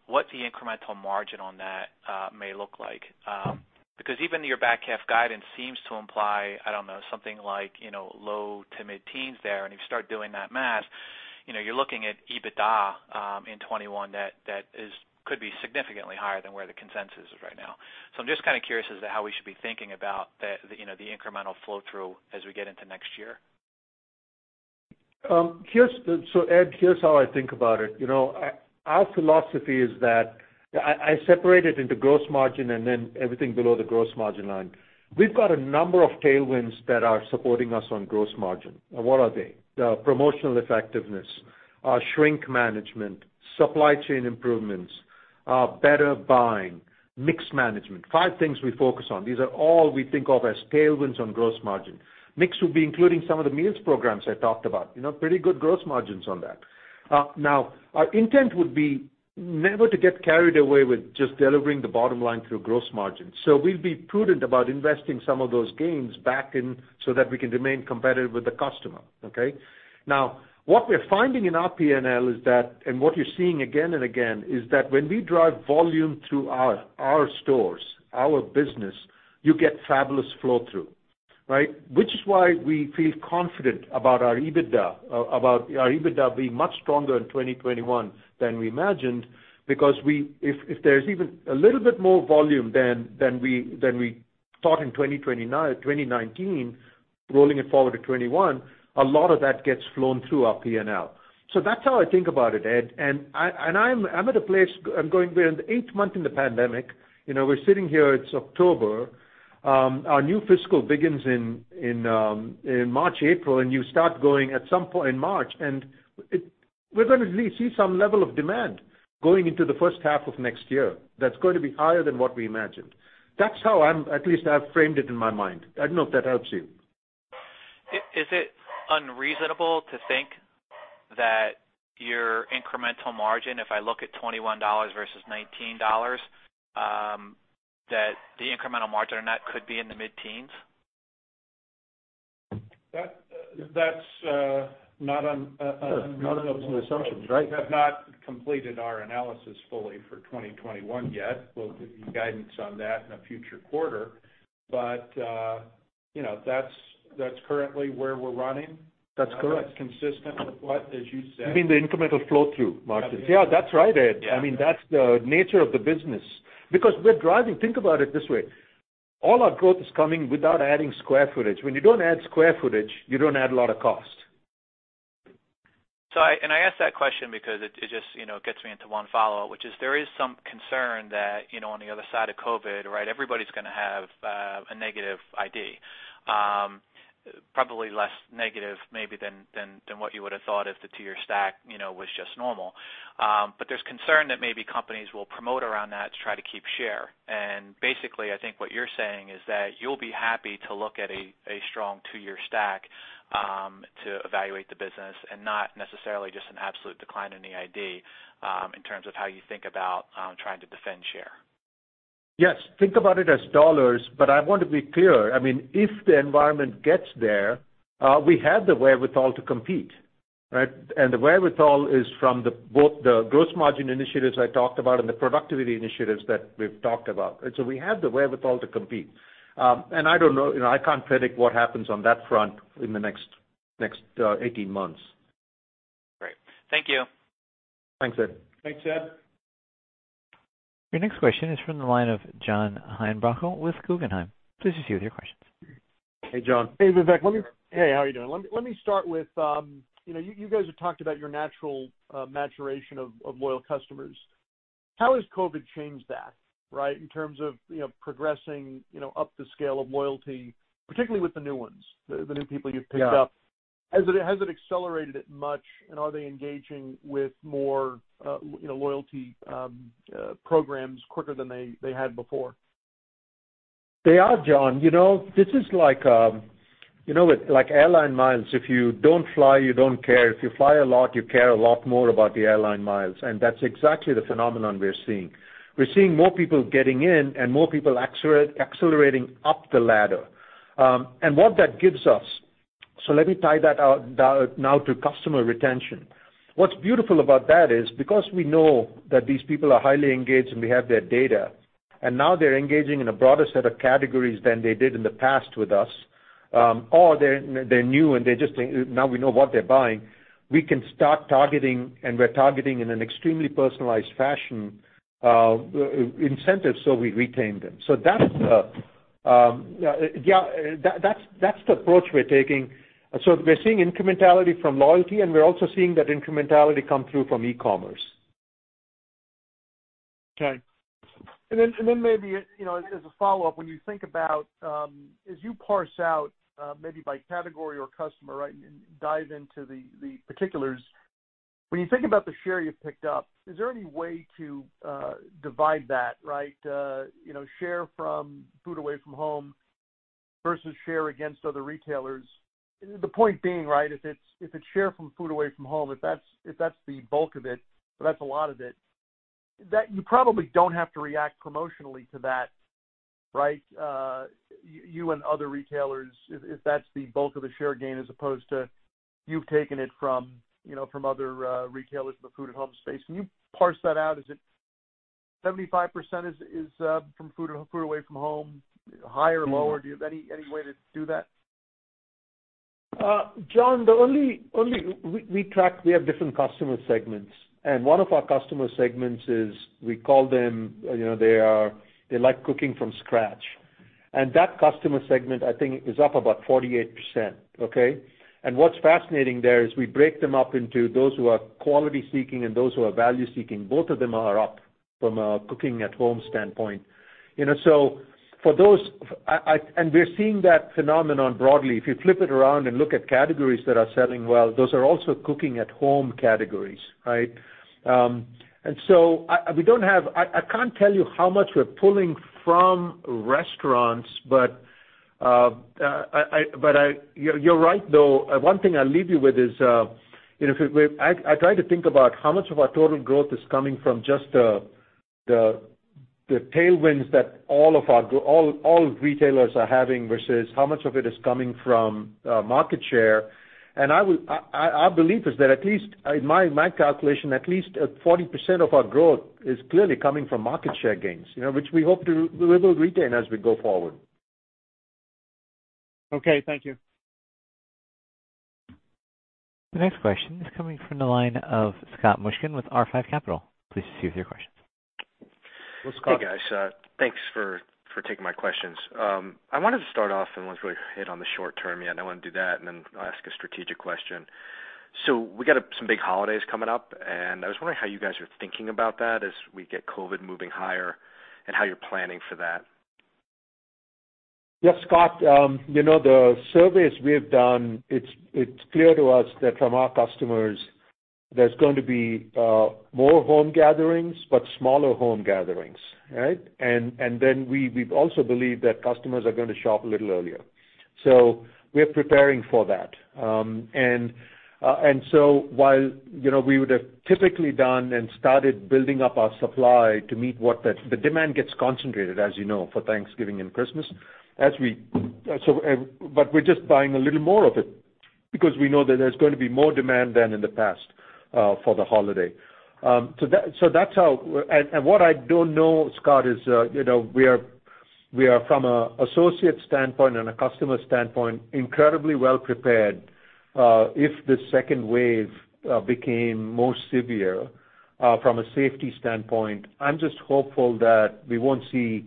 what the incremental margin on that may look like? Because even your back-half guidance seems to imply, I don't know, something like low to mid-teens there. And if you start doing that math, you're looking at EBITDA in 2021 that could be significantly higher than where the consensus is right now. So I'm just kind of curious as to how we should be thinking about the incremental flow-through as we get into next year. So Ed, here's how I think about it. Our philosophy is that I separate it into gross margin and then everything below the gross margin line. We've got a number of tailwinds that are supporting us on gross margin. What are they? The promotional effectiveness, shrink management, supply chain improvements, better buying, mix management. Five things we focus on. These are all we think of as tailwinds on gross margin. Mix would be including some of the meals programs I talked about. Pretty good gross margins on that. Now, our intent would be never to get carried away with just delivering the bottom line through gross margin. So we'll be prudent about investing some of those gains back in so that we can remain competitive with the customer, okay? Now, what we're finding in our P&L is that, and what you're seeing again and again, is that when we drive volume through our stores, our business, you get fabulous flow-through, right? Which is why we feel confident about our EBITDA, about our EBITDA being much stronger in 2021 than we imagined because if there's even a little bit more volume than we thought in 2019, rolling it forward to 2021, a lot of that gets flown through our P&L. So that's how I think about it, Ed. And I'm at a place I'm going within the eighth month in the pandemic. We're sitting here. It's October. Our new Fiscal begins in March, April, and you start going at some point in March, and we're going to at least see some level of demand going into the first half of next year. That's going to be higher than what we imagined. That's how, at least I've framed it in my mind. I don't know if that helps you. Is it unreasonable to think that your incremental margin, if I look at $21 versus $19, that the incremental margin on that could be in the mid-teens? That's not an assumption, right? We have not completed our analysis fully for 2021 yet. We'll give you guidance on that in a future quarter, but that's currently where we're running. That's correct. Consistent with what, as you said. You mean the incremental flow-through margins? Yeah. That's right, Ed. I mean, that's the nature of the business. Because we're driving. Think about it this way. All our growth is coming without adding square footage. When you don't add square footage, you don't add a lot of cost. And I ask that question because it just gets me into one follow-up, which is there is some concern that on the other side of COVID, right, everybody's going to have a negative ID, probably less negative maybe than what you would have thought if the two-year stack was just normal. But there's concern that maybe companies will promote around that to try to keep share. Basically, I think what you're saying is that you'll be happy to look at a strong two-year stack to evaluate the business and not necessarily just an absolute decline in the ID in terms of how you think about trying to defend share. Yes. Think about it as dollars, but I want to be clear. I mean, if the environment gets there, we have the wherewithal to compete, right? And the wherewithal is from both the gross margin initiatives I talked about and the productivity initiatives that we've talked about. And so we have the wherewithal to compete. And I don't know. I can't predict what happens on that front in the next 18 months. Great. Thank you. Thanks, Ed. Thanks, Ed. Your next question is from the line of John Heinbockel with Guggenheim. Please proceed with your questions. Hey, John. Hey, Vivek. Hey, how are you doing? Let me start with you guys have talked about your natural maturation of loyal customers. How has COVID changed that, right, in terms of progressing up the scale of loyalty, particularly with the new ones, the new people you've picked up? Has it accelerated it much, and are they engaging with more loyalty programs quicker than they had before? They are, John. This is like airline miles. If you don't fly, you don't care. If you fly a lot, you care a lot more about the airline miles. And that's exactly the phenomenon we're seeing. We're seeing more people getting in and more people accelerating up the ladder. And what that gives us so let me tie that now to customer retention. What's beautiful about that is because we know that these people are highly engaged and we have their data, and now they're engaging in a broader set of categories than they did in the past with us, or they're new and they just now we know what they're buying, we can start targeting, and we're targeting in an extremely personalized fashion incentives so we retain them. So that's the approach we're taking. So we're seeing incrementality from loyalty, and we're also seeing that incrementality come through from e-commerce. Okay. And then maybe as a follow-up, when you think about as you parse out maybe by category or customer, right, and dive into the particulars, when you think about the share you've picked up, is there any way to divide that, right? Share from food away from home versus share against other retailers? The point being, right, if it's share from food away from home, if that's the bulk of it, if that's a lot of it, that you probably don't have to react promotionally to that, right, you and other retailers if that's the bulk of the share gain as opposed to you've taken it from other retailers in the food-at-home space. Can you parse that out? Is it 75% from food away from home, higher, lower? Do you have any way to do that? John, we have different customer segments. One of our customer segments is we call them they like cooking from scratch. That customer segment, I think, is up about 48%, okay? What's fascinating there is we break them up into those who are quality-seeking and those who are value-seeking. Both of them are up from a cooking-at-home standpoint, so for those and we're seeing that phenomenon broadly. If you flip it around and look at categories that are selling well, those are also cooking-at-home categories, right, and so I can't tell you how much we're pulling from restaurants, but you're right, though. One thing I'll leave you with is I try to think about how much of our total growth is coming from just the tailwinds that all retailers are having versus how much of it is coming from market share. And I believe it's that at least in my calculation, at least 40% of our growth is clearly coming from market share gains, which we hope to rebuild retail as we go forward. Okay. Thank you. The next question is coming from the line of Scott Mushkin with R5 Capital. Please proceed with your questions. Hey, guys. Thanks for taking my questions. I wanted to start off and want to hit on the short-term yet. I want to do that, and then I'll ask a strategic question. So we got some big holidays coming up, and I was wondering how you guys are thinking about that as we get COVID moving higher and how you're planning for that? Yes, Scott. The surveys we've done, it's clear to us that from our customers, there's going to be more home gatherings, but smaller home gatherings, right? And then we also believe that customers are going to shop a little earlier. So we're preparing for that. And so while we would have typically done and started building up our supply to meet what the demand gets concentrated, as you know, for Thanksgiving and Christmas, but we're just buying a little more of it because we know that there's going to be more demand than in the past for the holiday. So that's how and what I do know, Scott, is we are from an associate standpoint and a customer standpoint, incredibly well prepared. If the second wave became more severe from a safety standpoint, I'm just hopeful that we won't see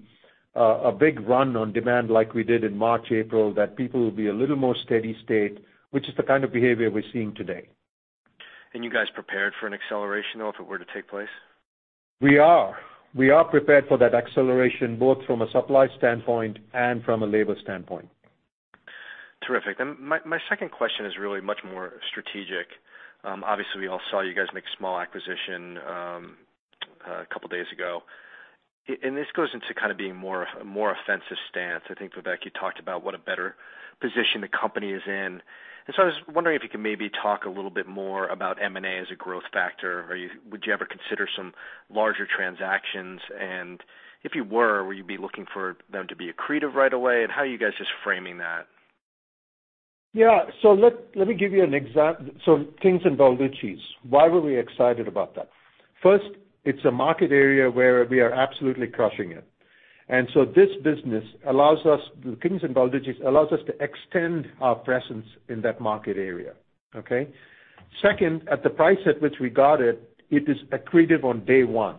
a big run on demand like we did in March, April, that people will be a little more steady state, which is the kind of behavior we're seeing today. You guys prepared for an acceleration, though, if it were to take place? We are prepared for that acceleration both from a supply standpoint and from a labor standpoint. Terrific. And my second question is really much more strategic. Obviously, we all saw you guys make a small acquisition a couple of days ago. And this goes into kind of being more offensive stance. I think, Vivek, you talked about what a better position the company is in. And so I was wondering if you could maybe talk a little bit more about M&A as a growth factor. Would you ever consider some larger transactions? And if you were, would you be looking for them to be accretive right away? And how are you guys just framing that? Yeah. So let me give you an example. So Kings and Balducci's. Why were we excited about that? First, it's a market area where we are absolutely crushing it. And so this business allows us, the Kings and Balducci's allows us to extend our presence in that market area, okay? Second, at the price at which we got it, it is accretive on day one.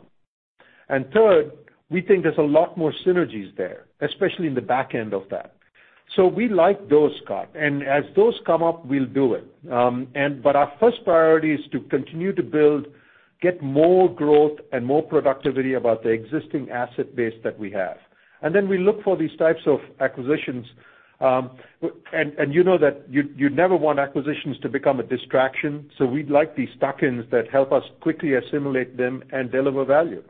And third, we think there's a lot more synergies there, especially in the back end of that. So we like those, Scott. And as those come up, we'll do it. But our first priority is to continue to build, get more growth, and more productivity about the existing asset base that we have. And then we look for these types of acquisitions. And you know that you never want acquisitions to become a distraction. We'd like these tuck-ins that help us quickly assimilate them and deliver value.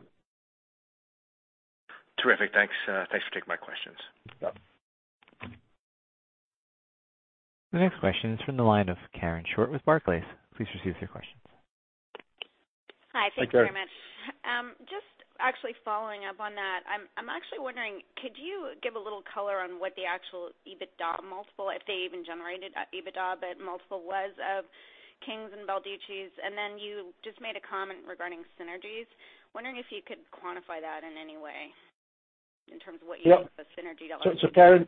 Terrific. Thanks. Thanks for taking my questions. The next question is from the line of Karen Short with Barclays. Please proceed with your questions. Hi. Thank you very much. Just actually following up on that, I'm actually wondering, could you give a little color on what the actual EBITDA multiple, if they even generated EBITDA but multiple was of Kings and Balducci's? And then you just made a comment regarding synergies. Wondering if you could quantify that in any way in terms of what you think the synergy delivered? So Karen,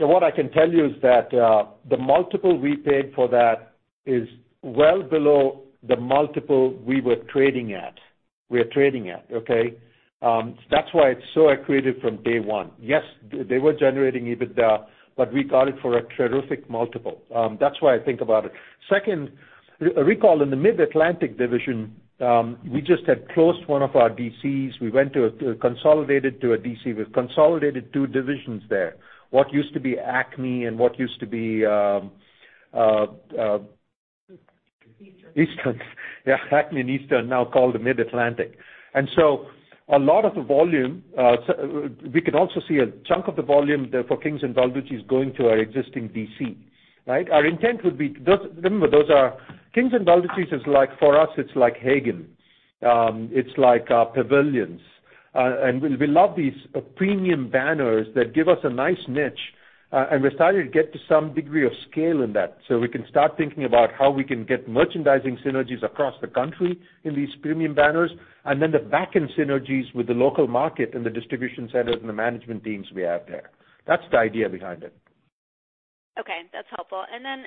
what I can tell you is that the multiple we paid for that is well below the multiple we were trading at. We're trading at, okay? That's why it's so accretive from day one. Yes, they were generating EBITDA, but we got it for a terrific multiple. That's why I think about it. Second, recall in the Mid-Atlantic Division, we just had closed one of our DCs. We went to a consolidated to a DC. We've consolidated two divisions there. What used to be Acme and what used to be Eastern. Eastern. Yeah. Acme and Eastern now called the Mid-Atlantic, and so a lot of the volume we could also see a chunk of the volume for Kings & Balducci's going to our existing DC, right? Our intent would be, remember, those are Kings & Balducci's is like for us, it's like Haggen. It's like Pavilions, and we love these premium banners that give us a nice niche, and we're starting to get to some degree of scale in that, so we can start thinking about how we can get merchandising synergies across the country in these premium banners, and then the back-end synergies with the local market and the distribution centers and the management teams we have there. That's the idea behind it. Okay. That's helpful. And then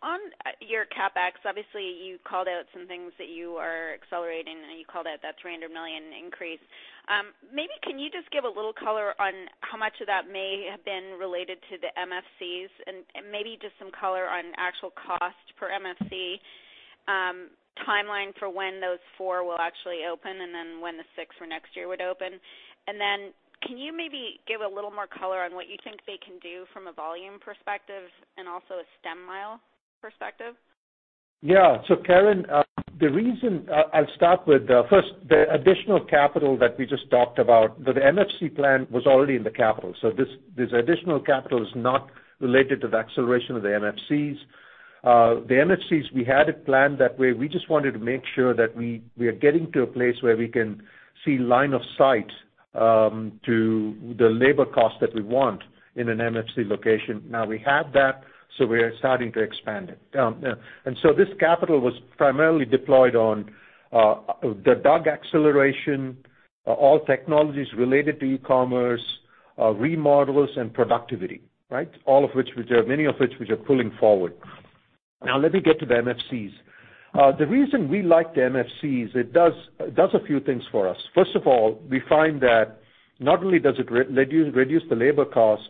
on your CapEx, obviously, you called out some things that you are accelerating, and you called out that $300 million increase. Maybe can you just give a little color on how much of that may have been related to the MFCs and maybe just some color on actual cost per MFC timeline for when those four will actually open and then when the six for next year would open? And then can you maybe give a little more color on what you think they can do from a volume perspective and also a stem mile perspective? Yeah. So Karen, the reason I'll start with first, the additional capital that we just talked about. The MFC plan was already in the capital. So this additional capital is not related to the acceleration of the MFCs. The MFCs, we had it planned that way. We just wanted to make sure that we are getting to a place where we can see line of sight to the labor cost that we want in an MFC location. Now we have that, so we're starting to expand it. And so this capital was primarily deployed on the DUG acceleration, all technologies related to e-commerce, remodels, and productivity, right? All of which, many of which, which are pulling forward. Now let me get to the MFCs. The reason we like the MFCs, it does a few things for us. First of all, we find that not only does it reduce the labor cost,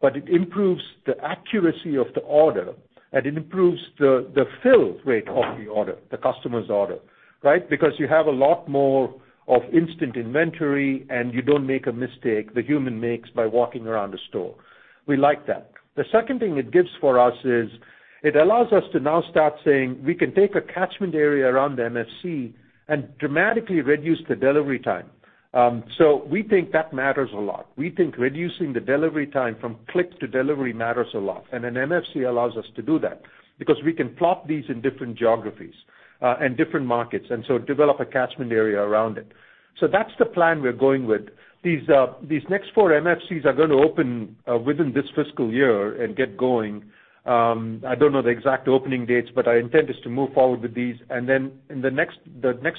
but it improves the accuracy of the order, and it improves the fill rate of the order, the customer's order, right? Because you have a lot more of instant inventory, and you don't make a mistake the human makes by walking around the store. We like that. The second thing it gives for us is it allows us to now start saying we can take a catchment area around the MFC and dramatically reduce the delivery time. So we think that matters a lot. We think reducing the delivery time from click to delivery matters a lot. And an MFC allows us to do that because we can plot these in different geographies and different markets and so develop a catchment area around it. So that's the plan we're going with. These next four MFCs are going to open within this fiscal year and get going. I don't know the exact opening dates, but our intent is to move forward with these. And then in the next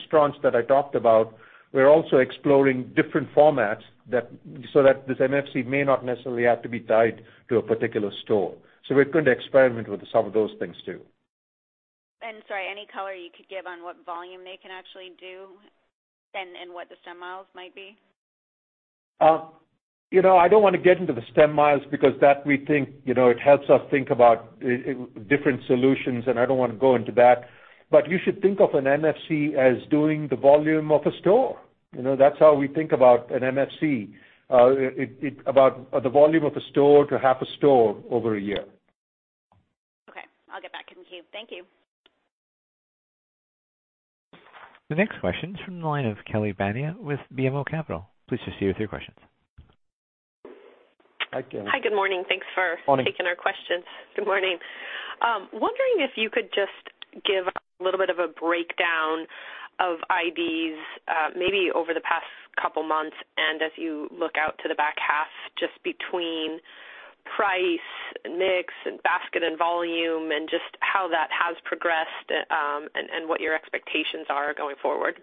tranche that I talked about, we're also exploring different formats so that this MFC may not necessarily have to be tied to a particular store. So we're going to experiment with some of those things too. And sorry, any color you could give on what volume they can actually do and what the stem mile might be? I don't want to get into the stem mile because that we think it helps us think about different solutions, and I don't want to go into that. But you should think of an MFC as doing the volume of a store. That's how we think about an MFC, about the volume of a store to half a store over a year. Okay. I'll get back in the queue. Thank you. The next question is from the line of Kelly Bania with BMO Capital. Please proceed with your questions. Hi, Kelly. Hi. Good morning. Thanks for taking our questions. Good morning. Wondering if you could just give a little bit of a breakdown of IDs maybe over the past couple of months and as you look out to the back half just between price and mix and basket and volume and just how that has progressed and what your expectations are going forward?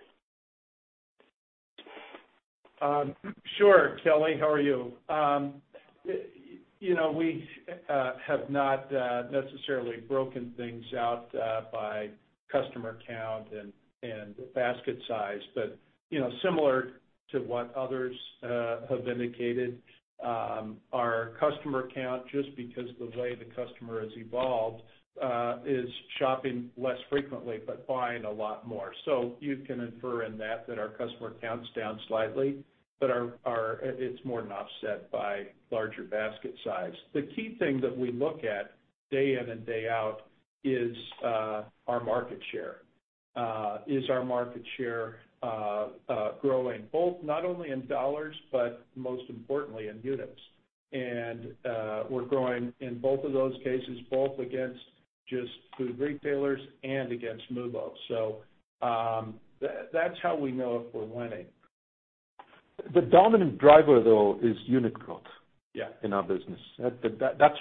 Sure. Kelly, how are you? We have not necessarily broken things out by customer count and basket size, but similar to what others have indicated, our customer count, just because of the way the customer has evolved, is shopping less frequently but buying a lot more. So you can infer in that that our customer count's down slightly, but it's more than offset by larger basket size. The key thing that we look at day in and day out is our market share. Is our market share growing both not only in dollars, but most importantly, in units? And we're growing in both of those cases, both against just food retailers and against MULO. So that's how we know if we're winning. The dominant driver, though, is unit growth in our business, and the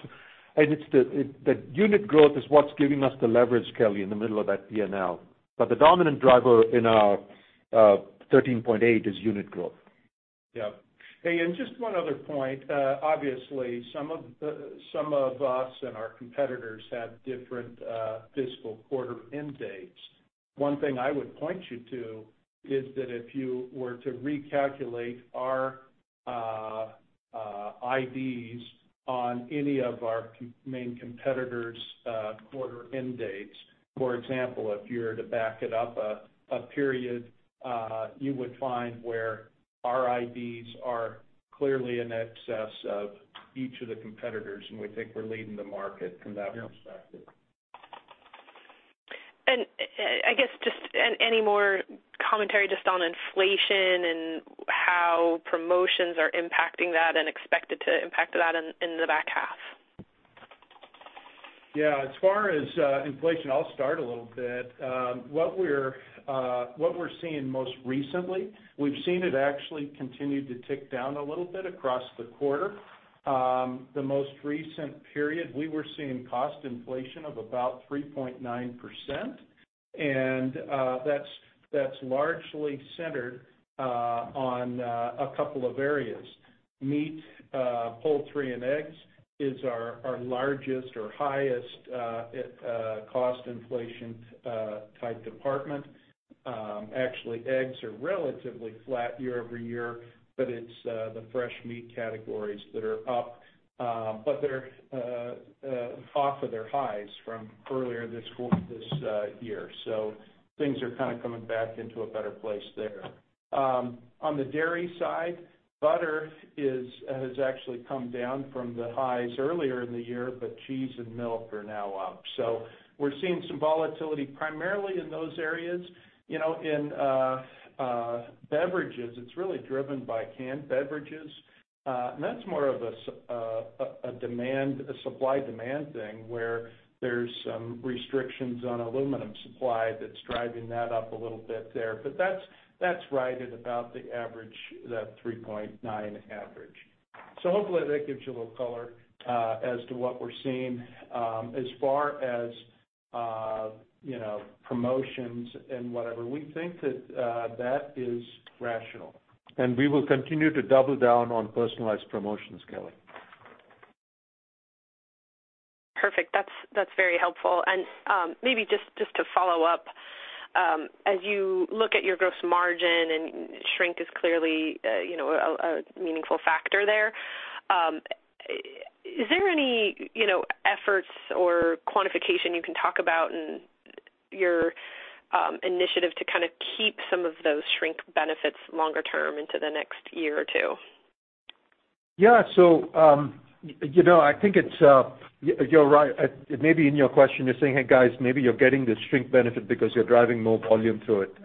unit growth is what's giving us the leverage, Kelly, in the middle of that P&L, but the dominant driver in our 13.8 is unit growth. Yeah. Hey, and just one other point. Obviously, some of us and our competitors have different fiscal quarter end dates. One thing I would point you to is that if you were to recalculate our IDs on any of our main competitors' quarter end dates, for example, if you were to back it up a period, you would find where our IDs are clearly in excess of each of the competitors, and we think we're leading the market from that perspective. I guess just any more commentary just on inflation and how promotions are impacting that and expected to impact that in the back half? Yeah. As far as inflation, I'll start a little bit. What we're seeing most recently, we've seen it actually continue to tick down a little bit across the quarter. The most recent period, we were seeing cost inflation of about 3.9%, and that's largely centered on a couple of areas. Meat, poultry, and eggs is our largest or highest cost inflation type department. Actually, eggs are relatively flat year-over-year, but it's the fresh meat categories that are up, but they're off of their highs from earlier this year, so things are kind of coming back into a better place there. On the dairy side, butter has actually come down from the highs earlier in the year, but cheese and milk are now up, so we're seeing some volatility primarily in those areas. In beverages, it's really driven by canned beverages. And that's more of a supply demand thing where there's some restrictions on aluminum supply that's driving that up a little bit there. But that's right at about the average, that 3.9 average. So hopefully, that gives you a little color as to what we're seeing. As far as promotions and whatever, we think that that is rational. We will continue to double down on personalized promotions, Kelly. Perfect. That's very helpful. And maybe just to follow up, as you look at your gross margin, and shrink is clearly a meaningful factor there, is there any efforts or quantification you can talk about in your initiative to kind of keep some of those shrink benefits longer term into the next year or two? Yeah. So I think it's, you're right. Maybe in your question, you're saying, "Hey, guys, maybe you're getting the shrink benefit because you're driving more volume through it."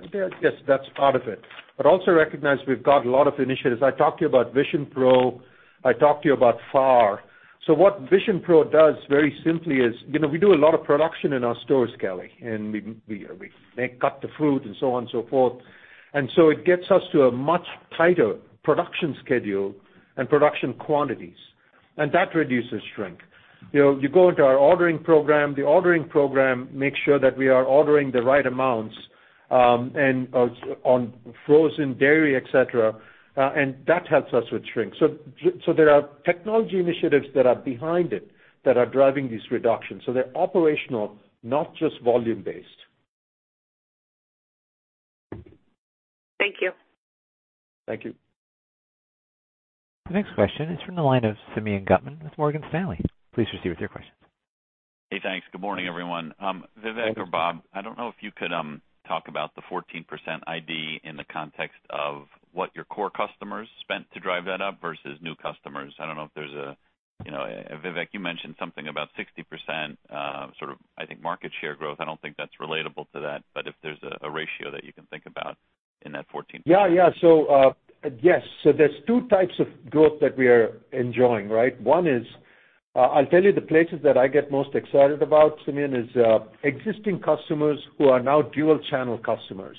Yes, that's part of it, but also recognize we've got a lot of initiatives. I talked to you about VisionPro. I talked to you about FAR. So what VisionPro does very simply is we do a lot of production in our stores, Kelly, and we cut the fruit and so on and so forth, and so it gets us to a much tighter production schedule and production quantities, and that reduces shrink. You go into our ordering program. The ordering program makes sure that we are ordering the right amounts on frozen dairy, etc., and that helps us with shrink, so there are technology initiatives that are behind it that are driving these reductions, so they're operational, not just volume-based. Thank you. Thank you. The next question is from the line of Simeon Gutman with Morgan Stanley. Please proceed with your questions. Hey, thanks. Good morning, everyone. Vivek or Bob, I don't know if you could talk about the 14% ID in the context of what your core customers spent to drive that up versus new customers. I don't know if there's a, Vivek, you mentioned something about 60% sort of, I think, market share growth. I don't think that's relatable to that, but if there's a ratio that you can think about in that 14%. Yeah, yeah. So yes. So there's two types of growth that we are enjoying, right? One is I'll tell you the places that I get most excited about, Simeon, is existing customers who are now dual-channel customers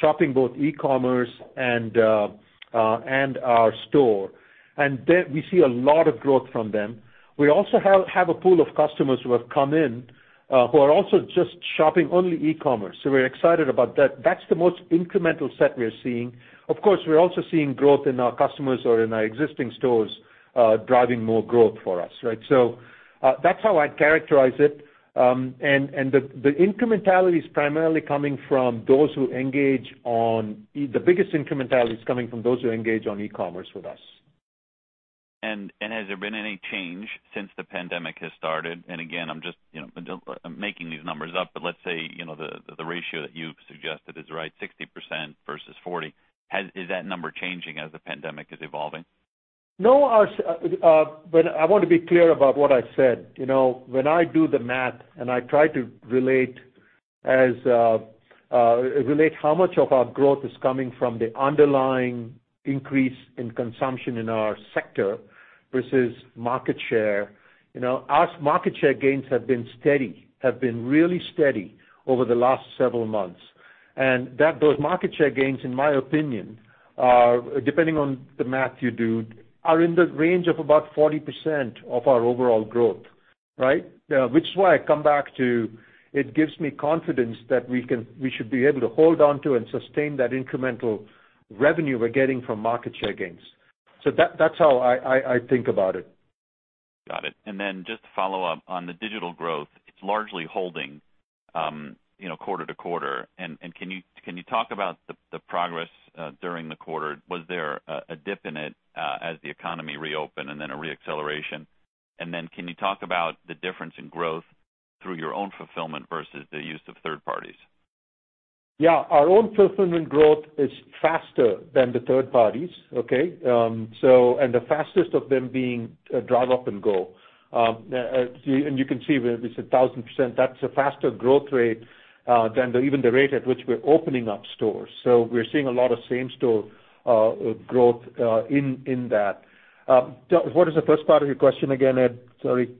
shopping both e-commerce and our store. And we see a lot of growth from them. We also have a pool of customers who have come in who are also just shopping only e-commerce. So we're excited about that. That's the most incremental set we're seeing. Of course, we're also seeing growth in our customers or in our existing stores driving more growth for us, right? So that's how I'd characterize it. And the incrementality is primarily coming from those who engage on, the biggest incrementality is coming from those who engage on e-commerce with us. Has there been any change since the pandemic has started? Again, I'm just making these numbers up, but let's say the ratio that you've suggested is right, 60% versus 40. Is that number changing as the pandemic is evolving? No. But I want to be clear about what I said. When I do the math and I try to relate how much of our growth is coming from the underlying increase in consumption in our sector versus market share, our market share gains have been steady, have been really steady over the last several months. And those market share gains, in my opinion, depending on the math you do, are in the range of about 40% of our overall growth, right? Which is why I come back to it gives me confidence that we should be able to hold on to and sustain that incremental revenue we're getting from market share gains. So that's how I think about it. Got it. And then just to follow up on the digital growth, it's largely holding quarter to quarter. And can you talk about the progress during the quarter? Was there a dip in it as the economy reopened and then a reacceleration? And then can you talk about the difference in growth through your own fulfillment versus the use of third parties? Yeah. Our own fulfillment growth is faster than the third parties, okay? And the fastest of them being Drive Up & Go. And you can see we said 1,000%. That's a faster growth rate than even the rate at which we're opening up stores. So we're seeing a lot of same-store growth in that. What is the first part of your question again, Ed? Sorry.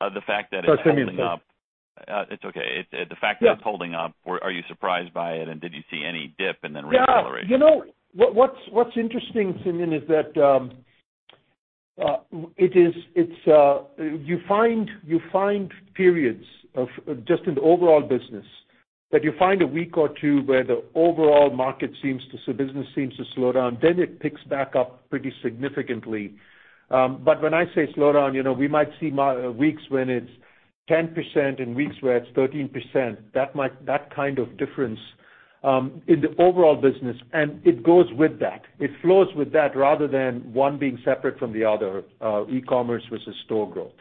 The fact that it's holding up. Sorry, Simeon. It's okay. The fact that it's holding up, are you surprised by it? And did you see any dip and then reacceleration? Yeah. What's interesting, Simeon, is that you find periods just in the overall business that you find a week or two where the overall market seems to, so business seems to slow down, then it picks back up pretty significantly, but when I say slow down, we might see weeks when it's 10% and weeks where it's 13%, that kind of difference in the overall business, and it goes with that. It flows with that rather than one being separate from the other, e-commerce versus store growth.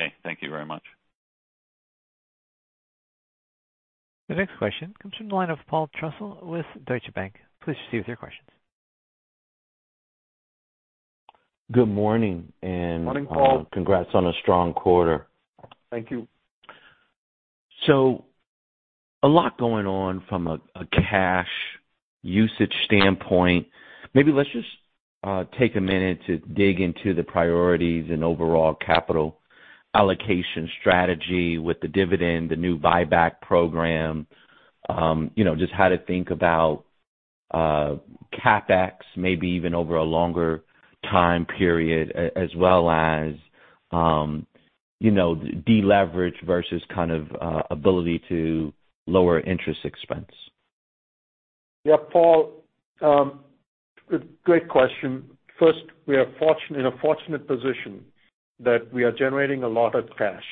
Okay. Thank you very much. The next question comes from the line of Paul Trussell with Deutsche Bank. Please proceed with your questions. Good morning. Morning, Paul. Congrats on a strong quarter. Thank you. So a lot going on from a cash usage standpoint. Maybe let's just take a minute to dig into the priorities and overall capital allocation strategy with the dividend, the new buyback program, just how to think about CapEx, maybe even over a longer time period, as well as deleverage versus kind of ability to lower interest expense. Yeah, Paul, great question. First, we are in a fortunate position that we are generating a lot of cash,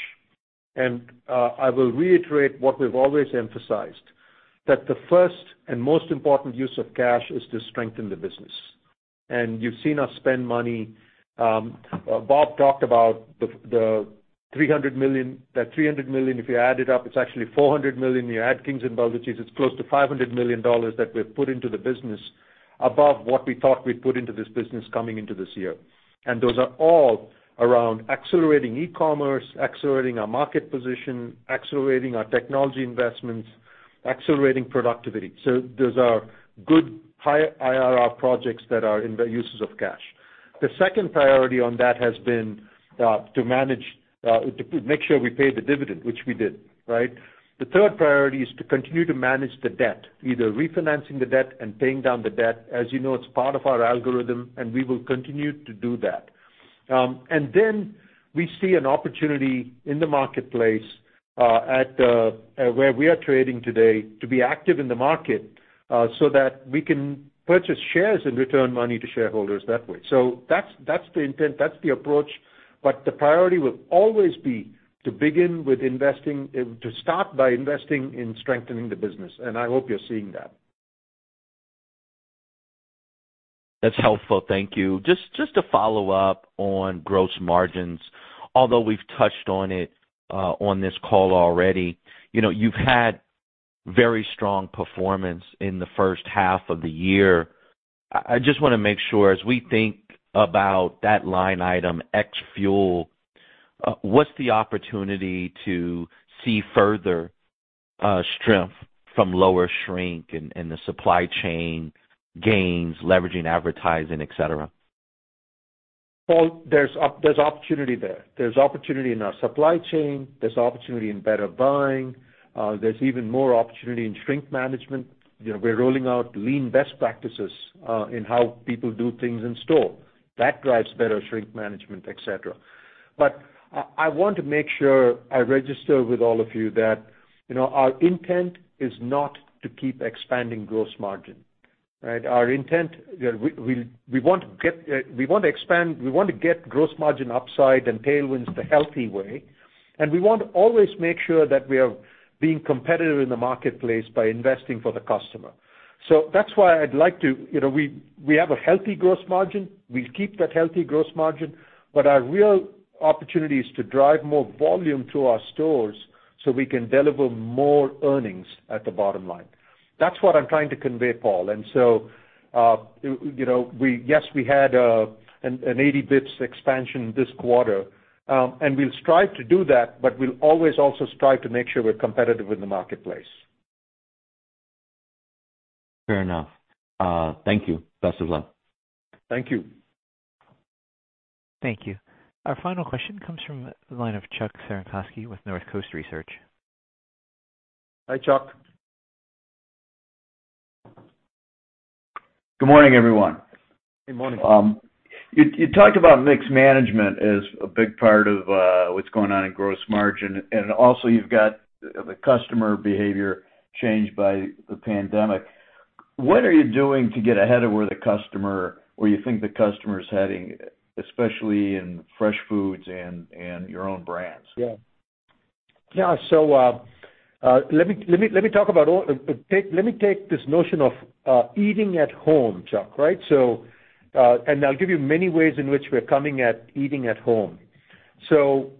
and I will reiterate what we've always emphasized, that the first and most important use of cash is to strengthen the business, and you've seen us spend money. Bob talked about the $300 million. That $300 million, if you add it up, it's actually $400 million. You add Kings and Balducci's, it's close to $500 million that we've put into the business above what we thought we'd put into this business coming into this year, and those are all around accelerating e-commerce, accelerating our market position, accelerating our technology investments, accelerating productivity, so those are good high ROI projects that are in the uses of cash. The second priority on that has been to make sure we pay the dividend, which we did, right? The third priority is to continue to manage the debt, either refinancing the debt and paying down the debt. As you know, it's part of our algorithm, and we will continue to do that, and then we see an opportunity in the marketplace where we are trading today to be active in the market so that we can purchase shares and return money to shareholders that way, so that's the intent. That's the approach, but the priority will always be to begin with investing, to start by investing in strengthening the business, and I hope you're seeing that. That's helpful. Thank you. Just to follow up on gross margins, although we've touched on it on this call already, you've had very strong performance in the first half of the year. I just want to make sure, as we think about that line item, ex-fuel, what's the opportunity to see further strength from lower shrink and the supply chain gains, leveraging advertising, etc.? Paul, there's opportunity there. There's opportunity in our supply chain. There's opportunity in better buying. There's even more opportunity in shrink management. We're rolling out lean best practices in how people do things in store. That drives better shrink management, etc., but I want to make sure I register with all of you that our intent is not to keep expanding gross margin, right? Our intent, we want to get gross margin upside and tailwinds the healthy way, and we want to always make sure that we are being competitive in the marketplace by investing for the customer, so that's why we have a healthy gross margin. We'll keep that healthy gross margin, but our real opportunity is to drive more volume to our stores so we can deliver more earnings at the bottom line. That's what I'm trying to convey, Paul. And so yes, we had an 80 basis points expansion this quarter. And we'll strive to do that, but we'll always also strive to make sure we're competitive in the marketplace. Fair enough. Thank you. Best of luck. Thank you. Thank you. Our final question comes from the line of Chuck Cerankosky with Northcoast Research. Hi, Chuck. Good morning, everyone. Good morning. You talked about mix management as a big part of what's going on in gross margin. And also, you've got the customer behavior changed by the pandemic. What are you doing to get ahead of where the customer, where you think the customer is heading, especially in fresh foods and your own brands? Yeah. Yeah, so let me talk about, let me take this notion of eating at home, Chuck, right, and I'll give you many ways in which we're coming at eating at home, so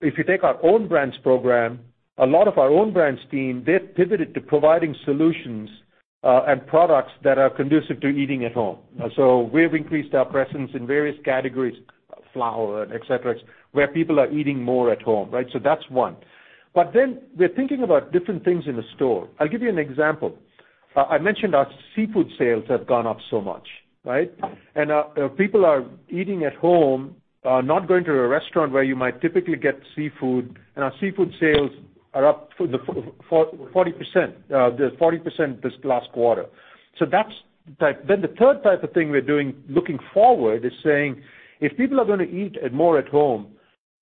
if you take our Own Brands program, a lot of our Own Brands team, they've pivoted to providing solutions and products that are conducive to eating at home, so we have increased our presence in various categories, flour, etc., where people are eating more at home, right, so that's one, but then we're thinking about different things in the store. I'll give you an example. I mentioned our seafood sales have gone up so much, right, and people are eating at home, not going to a restaurant where you might typically get seafood, and our seafood sales are up 40%, 40% this last quarter, so that's the type. Then the third type of thing we're doing looking forward is saying if people are going to eat more at home,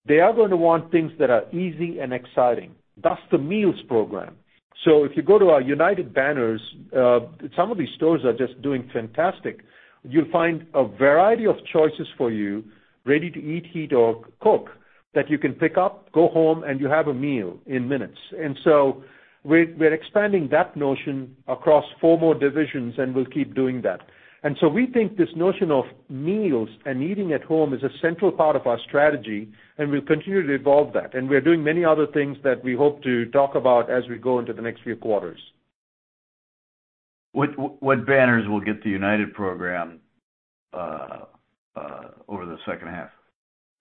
they are going to want things that are easy and exciting. That's the meals program, so if you go to our United banners, some of these stores are just doing fantastic. You'll find a variety of choices for you, ready to eat, heat, or cook, that you can pick up, go home, and you have a meal in minutes, and so we're expanding that notion across four more divisions, and we'll keep doing that, and so we think this notion of meals and eating at home is a central part of our strategy, and we'll continue to evolve that, and we're doing many other things that we hope to talk about as we go into the next few quarters. What banners will get the United program over the second half?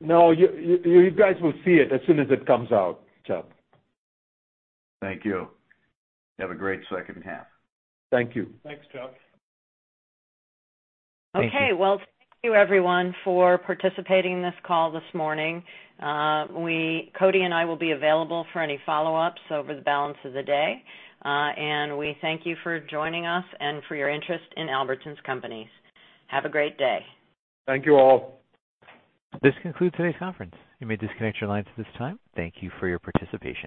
No, you guys will see it as soon as it comes out, Chuck. Thank you. Have a great second half. Thank you. Thanks, Chuck. Okay, well, thank you, everyone, for participating in this call this morning. Cody and I will be available for any follow-ups over the balance of the day, and we thank you for joining us and for your interest in Albertsons Companies. Have a great day. Thank you all. This concludes today's conference. You may disconnect your lines at this time. Thank you for your participation.